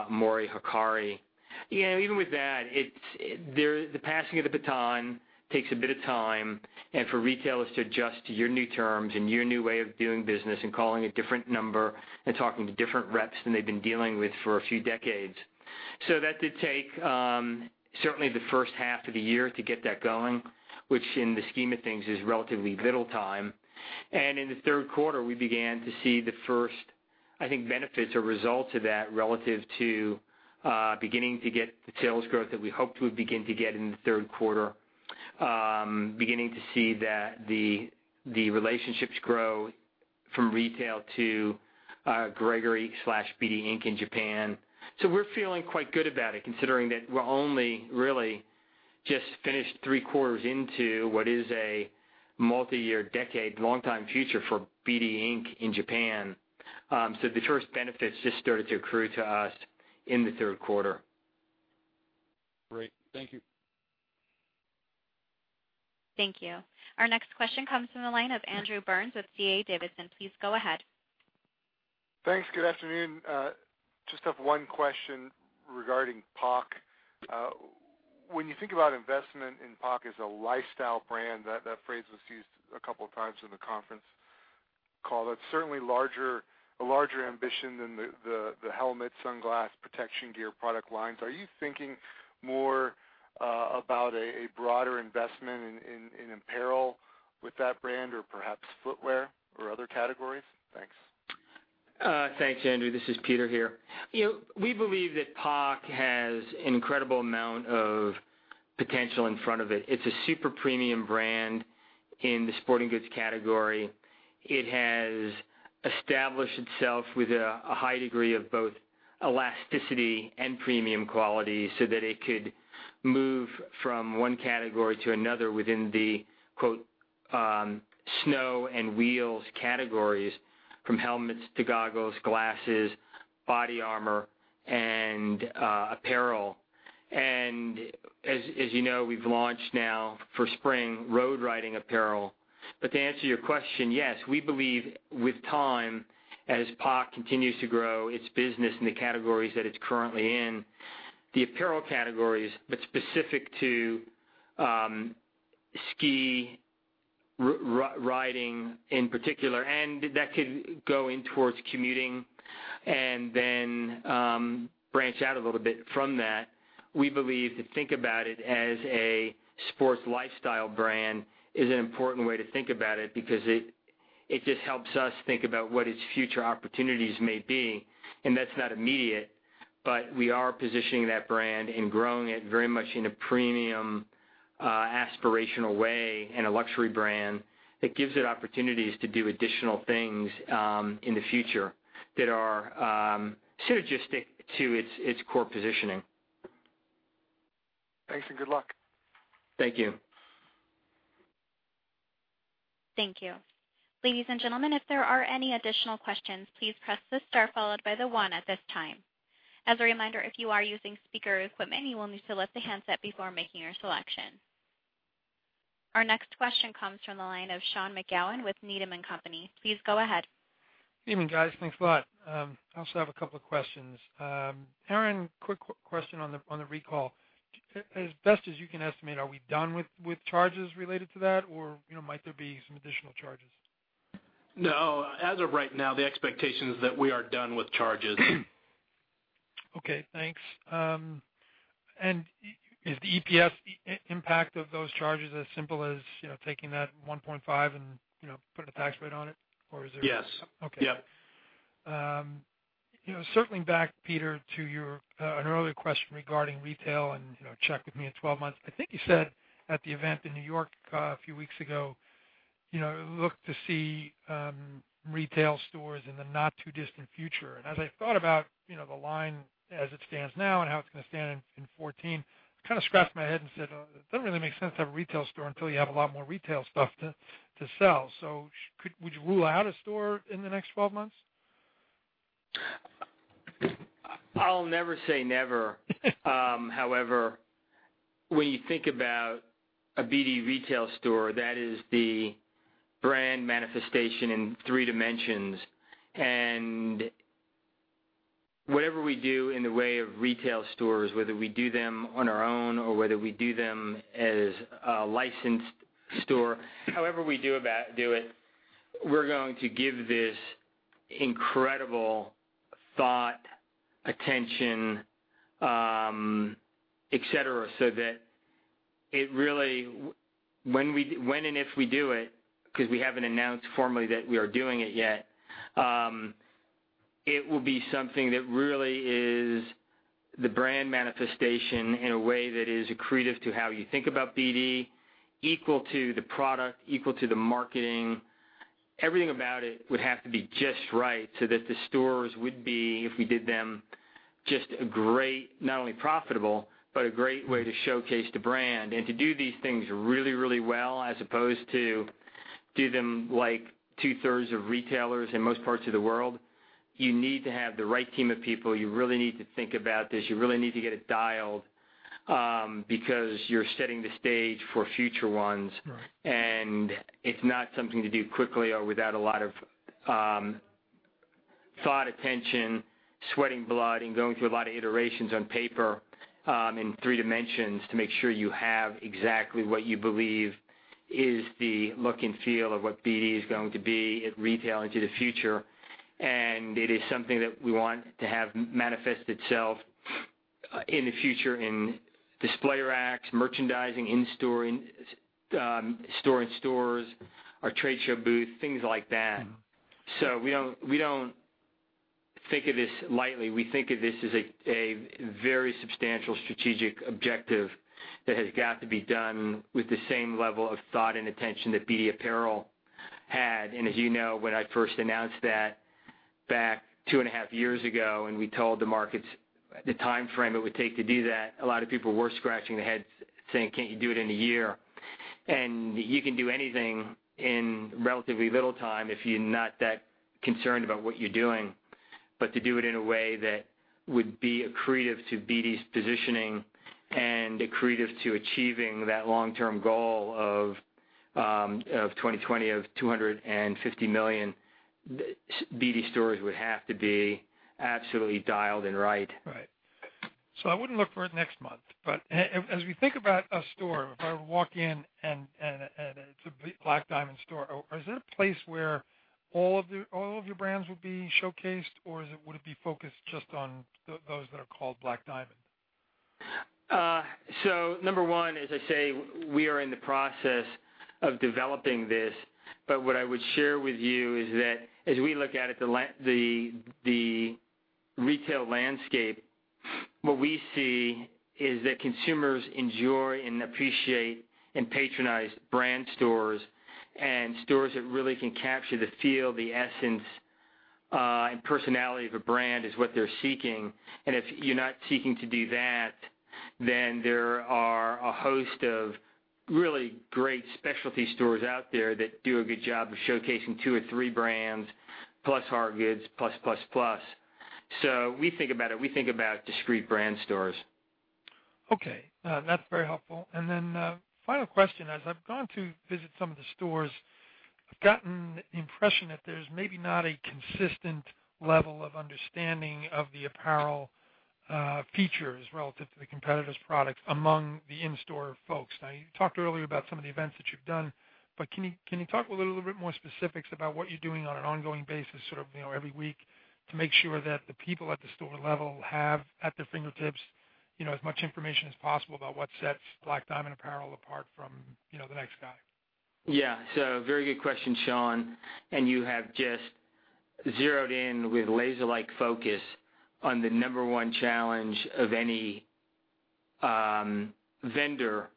Mori Hikari. Even with that, the passing of the baton takes a bit of time and for retailers to adjust to your new terms and your new way of doing business and calling a different number and talking to different reps than they've been dealing with for a few decades. That did take certainly the first half of the year to get that going, which in the scheme of things is relatively little time. In the third quarter, we began to see the first, I think, benefits or results of that relative to beginning to get the sales growth that we hoped we would begin to get in the third quarter. Beginning to see that the relationships grow from retail to Gregory/BD Inc. in Japan. We're feeling quite good about it, considering that we're only really just finished three quarters into what is a multi-year decade, long time future for BD Inc. in Japan. The first benefits just started to accrue to us in the third quarter. Great. Thank you. Thank you. Our next question comes from the line of Andrew Burns with D.A. Davidson. Please go ahead. Thanks. Good afternoon. Just have one question regarding POC. When you think about investment in POC as a lifestyle brand, that phrase was used a couple of times in the conference call. It's certainly a larger ambition than the helmet, sunglass protection gear product lines. Are you thinking more about a broader investment in apparel with that brand or perhaps footwear or other categories? Thanks. Thanks, Andrew. This is Peter here. We believe that POC has an incredible amount of potential in front of it. It's a super premium brand in the sporting goods category. It has established itself with a high degree of both elasticity and premium quality so that it could move from one category to another within the, quote, "snow and wheels categories," from helmets to goggles, glasses, body armor, and apparel. As you know, we've launched now for spring road riding apparel. To answer your question, yes, we believe with time, as POC continues to grow its business in the categories that it's currently in, the apparel categories, but specific to ski riding in particular, and that could go in towards commuting and then branch out a little bit from that. We believe to think about it as a sports lifestyle brand is an important way to think about it because it just helps us think about what its future opportunities may be, and that's not immediate. We are positioning that brand and growing it very much in a premium, aspirational way and a luxury brand that gives it opportunities to do additional things in the future that are synergistic to its core positioning. Thanks and good luck. Thank you. Thank you. Ladies and gentlemen, if there are any additional questions, please press the star followed by the one at this time. As a reminder, if you are using speaker equipment, you will need to lift the handset before making your selection. Our next question comes from the line of Sean McGowan with Needham & Company. Please go ahead. Evening, guys. Thanks a lot. I also have a couple of questions. Aaron, quick question on the recall. As best as you can estimate, are we done with charges related to that or might there be some additional charges? No. As of right now, the expectation is that we are done with charges. Okay, thanks. Is the EPS impact of those charges as simple as taking that $1.5 and putting a tax rate on it? Or is there? Yes. Okay. Yeah. Circling back, Peter, to your earlier question regarding retail and check with me in 12 months. I think you said at the event in New York a few weeks ago Look to see retail stores in the not-too-distant future. As I've thought about the line as it stands now and how it's going to stand in 2014, I scratched my head and said, "It doesn't really make sense to have a retail store until you have a lot more retail stuff to sell." Would you rule out a store in the next 12 months? I'll never say never. However, when you think about a BD retail store, that is the brand manifestation in three dimensions. Whatever we do in the way of retail stores, whether we do them on our own or whether we do them as a licensed store, however we do it, we're going to give this incredible thought, attention, et cetera, so that when and if we do it, because we haven't announced formally that we are doing it yet, it will be something that really is the brand manifestation in a way that is accretive to how you think about BD, equal to the product, equal to the marketing. Everything about it would have to be just right so that the stores would be, if we did them, not only profitable, but a great way to showcase the brand. To do these things really, really well as opposed to do them like two-thirds of retailers in most parts of the world, you need to have the right team of people. You really need to think about this. You really need to get it dialed, because you're setting the stage for future ones. Right. It's not something to do quickly or without a lot of thought, attention, sweating blood, and going through a lot of iterations on paper in three dimensions to make sure you have exactly what you believe is the look and feel of what BD is going to be at retail into the future. It is something that we want to have manifest itself in the future in display racks, merchandising, in-store and stores, our trade show booth, things like that. We don't think of this lightly. We think of this as a very substantial strategic objective that has got to be done with the same level of thought and attention that BD Apparel had. As you know, when I first announced that back two and a half years ago, we told the markets the timeframe it would take to do that, a lot of people were scratching their heads saying, "Can't you do it in one year?" You can do anything in relatively little time if you're not that concerned about what you're doing. To do it in a way that would be accretive to BD's positioning and accretive to achieving that long-term goal of 2020 of $250 million, BD stores would have to be absolutely dialed and right. Right. I wouldn't look for it next month. As we think about a store, if I walk in and it's a Black Diamond store, is it a place where all of your brands would be showcased, or would it be focused just on those that are called Black Diamond? Number 1, as I say, we are in the process of developing this. What I would share with you is that as we look at the retail landscape, what we see is that consumers enjoy and appreciate and patronize brand stores. Stores that really can capture the feel, the essence, and personality of a brand is what they're seeking. If you're not seeking to do that, then there are a host of really great specialty stores out there that do a good job of showcasing two or three brands, plus hard goods, plus, plus. We think about it, we think about discrete brand stores. Okay. That's very helpful. Final question. As I've gone to visit some of the stores, I've gotten the impression that there's maybe not a consistent level of understanding of the apparel features relative to the competitor's product among the in-store folks. You talked earlier about some of the events that you've done, can you talk with a little bit more specifics about what you're doing on an ongoing basis every week to make sure that the people at the store level have at their fingertips as much information as possible about what sets Black Diamond Apparel apart from the next guy? Yeah. Very good question, Sean, and you have just zeroed in with laser-like focus on the number one challenge of any vendor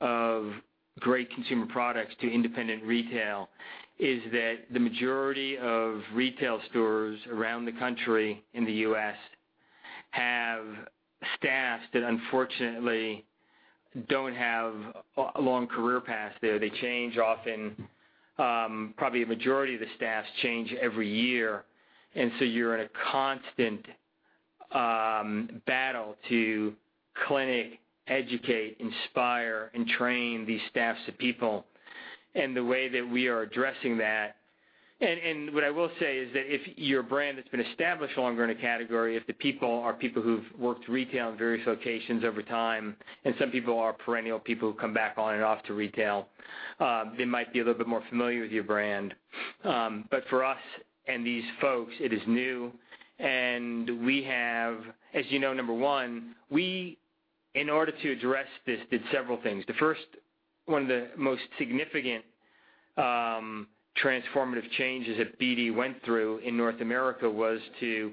of great consumer products to independent retail, is that the majority of retail stores around the country in the U.S. have staffs that unfortunately don't have long career paths there. They change often. Probably a majority of the staffs change every year. You're in a constant battle to clinic, educate, inspire, and train these staffs of people. The way that we are addressing that. What I will say is that if your brand that's been established longer in a category, if the people are people who've worked retail in various locations over time, and some people are perennial people who come back on and off to retail, they might be a little bit more familiar with your brand. For us and these folks, it is new. As you know, number one, we, in order to address this, did several things. The first, one of the most significant transformative changes that BD went through in North America was to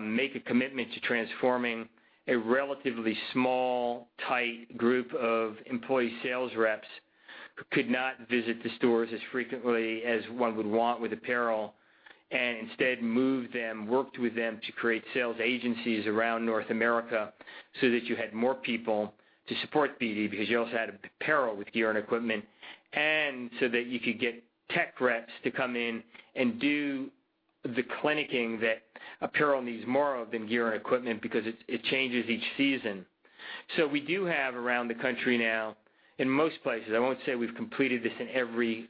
make a commitment to transforming a relatively small, tight group of employee sales reps who could not visit the stores as frequently as one would want with apparel, instead moved them, worked with them to create sales agencies around North America so that you had more people to support BD, because you also had apparel with gear and equipment, so that you could get tech reps to come in and do the clinicking that apparel needs more of than gear and equipment because it changes each season. We do have around the country now, in most places, I won't say we've completed this in every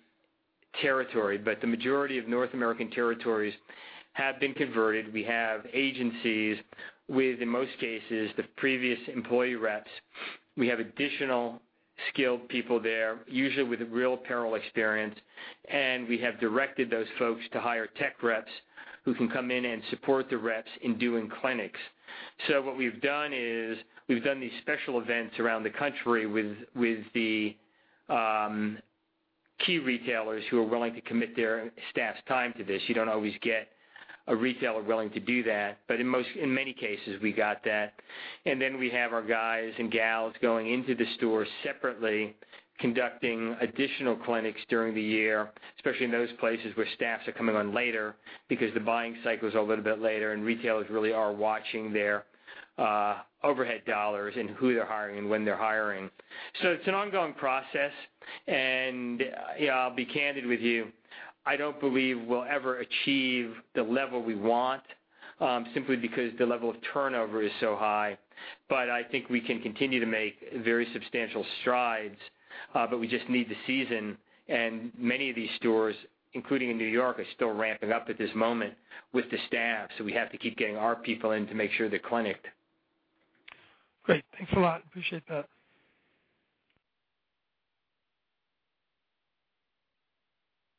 territory, the majority of North American territories have been converted. We have agencies with, in most cases, the previous employee reps. We have additional skilled people there, usually with real apparel experience, we have directed those folks to hire tech reps who can come in and support the reps in doing clinics. What we've done is, we've done these special events around the country with the key retailers who are willing to commit their staff's time to this. You don't always get a retailer willing to do that, in many cases, we got that. We have our guys and gals going into the stores separately, conducting additional clinics during the year, especially in those places where staffs are coming on later because the buying cycle is a little bit later and retailers really are watching their overhead dollars and who they are hiring and when they are hiring. It is an ongoing process, and I will be candid with you. I do not believe we will ever achieve the level we want, simply because the level of turnover is so high. I think we can continue to make very substantial strides. We just need the season, and many of these stores, including in New York, are still ramping up at this moment with the staff. We have to keep getting our people in to make sure they are clinicked. Great. Thanks a lot. Appreciate that.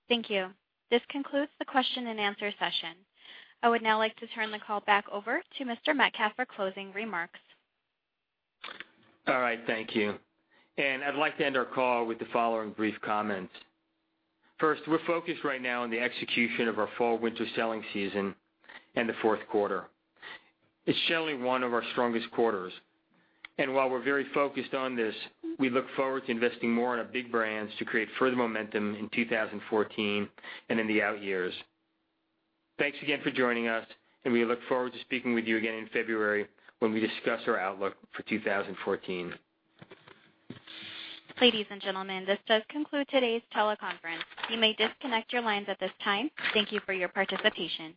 Thank you. This concludes the question and answer session. I would now like to turn the call back over to Mr. Metcalf for closing remarks. All right. Thank you. I would like to end our call with the following brief comments. First, we are focused right now on the execution of our fall/winter selling season in the fourth quarter. It is generally one of our strongest quarters. While we are very focused on this, we look forward to investing more in our big brands to create further momentum in 2014 and in the out years. Thanks again for joining us, and we look forward to speaking with you again in February when we discuss our outlook for 2014. Ladies and gentlemen, this does conclude today's teleconference. You may disconnect your lines at this time. Thank you for your participation.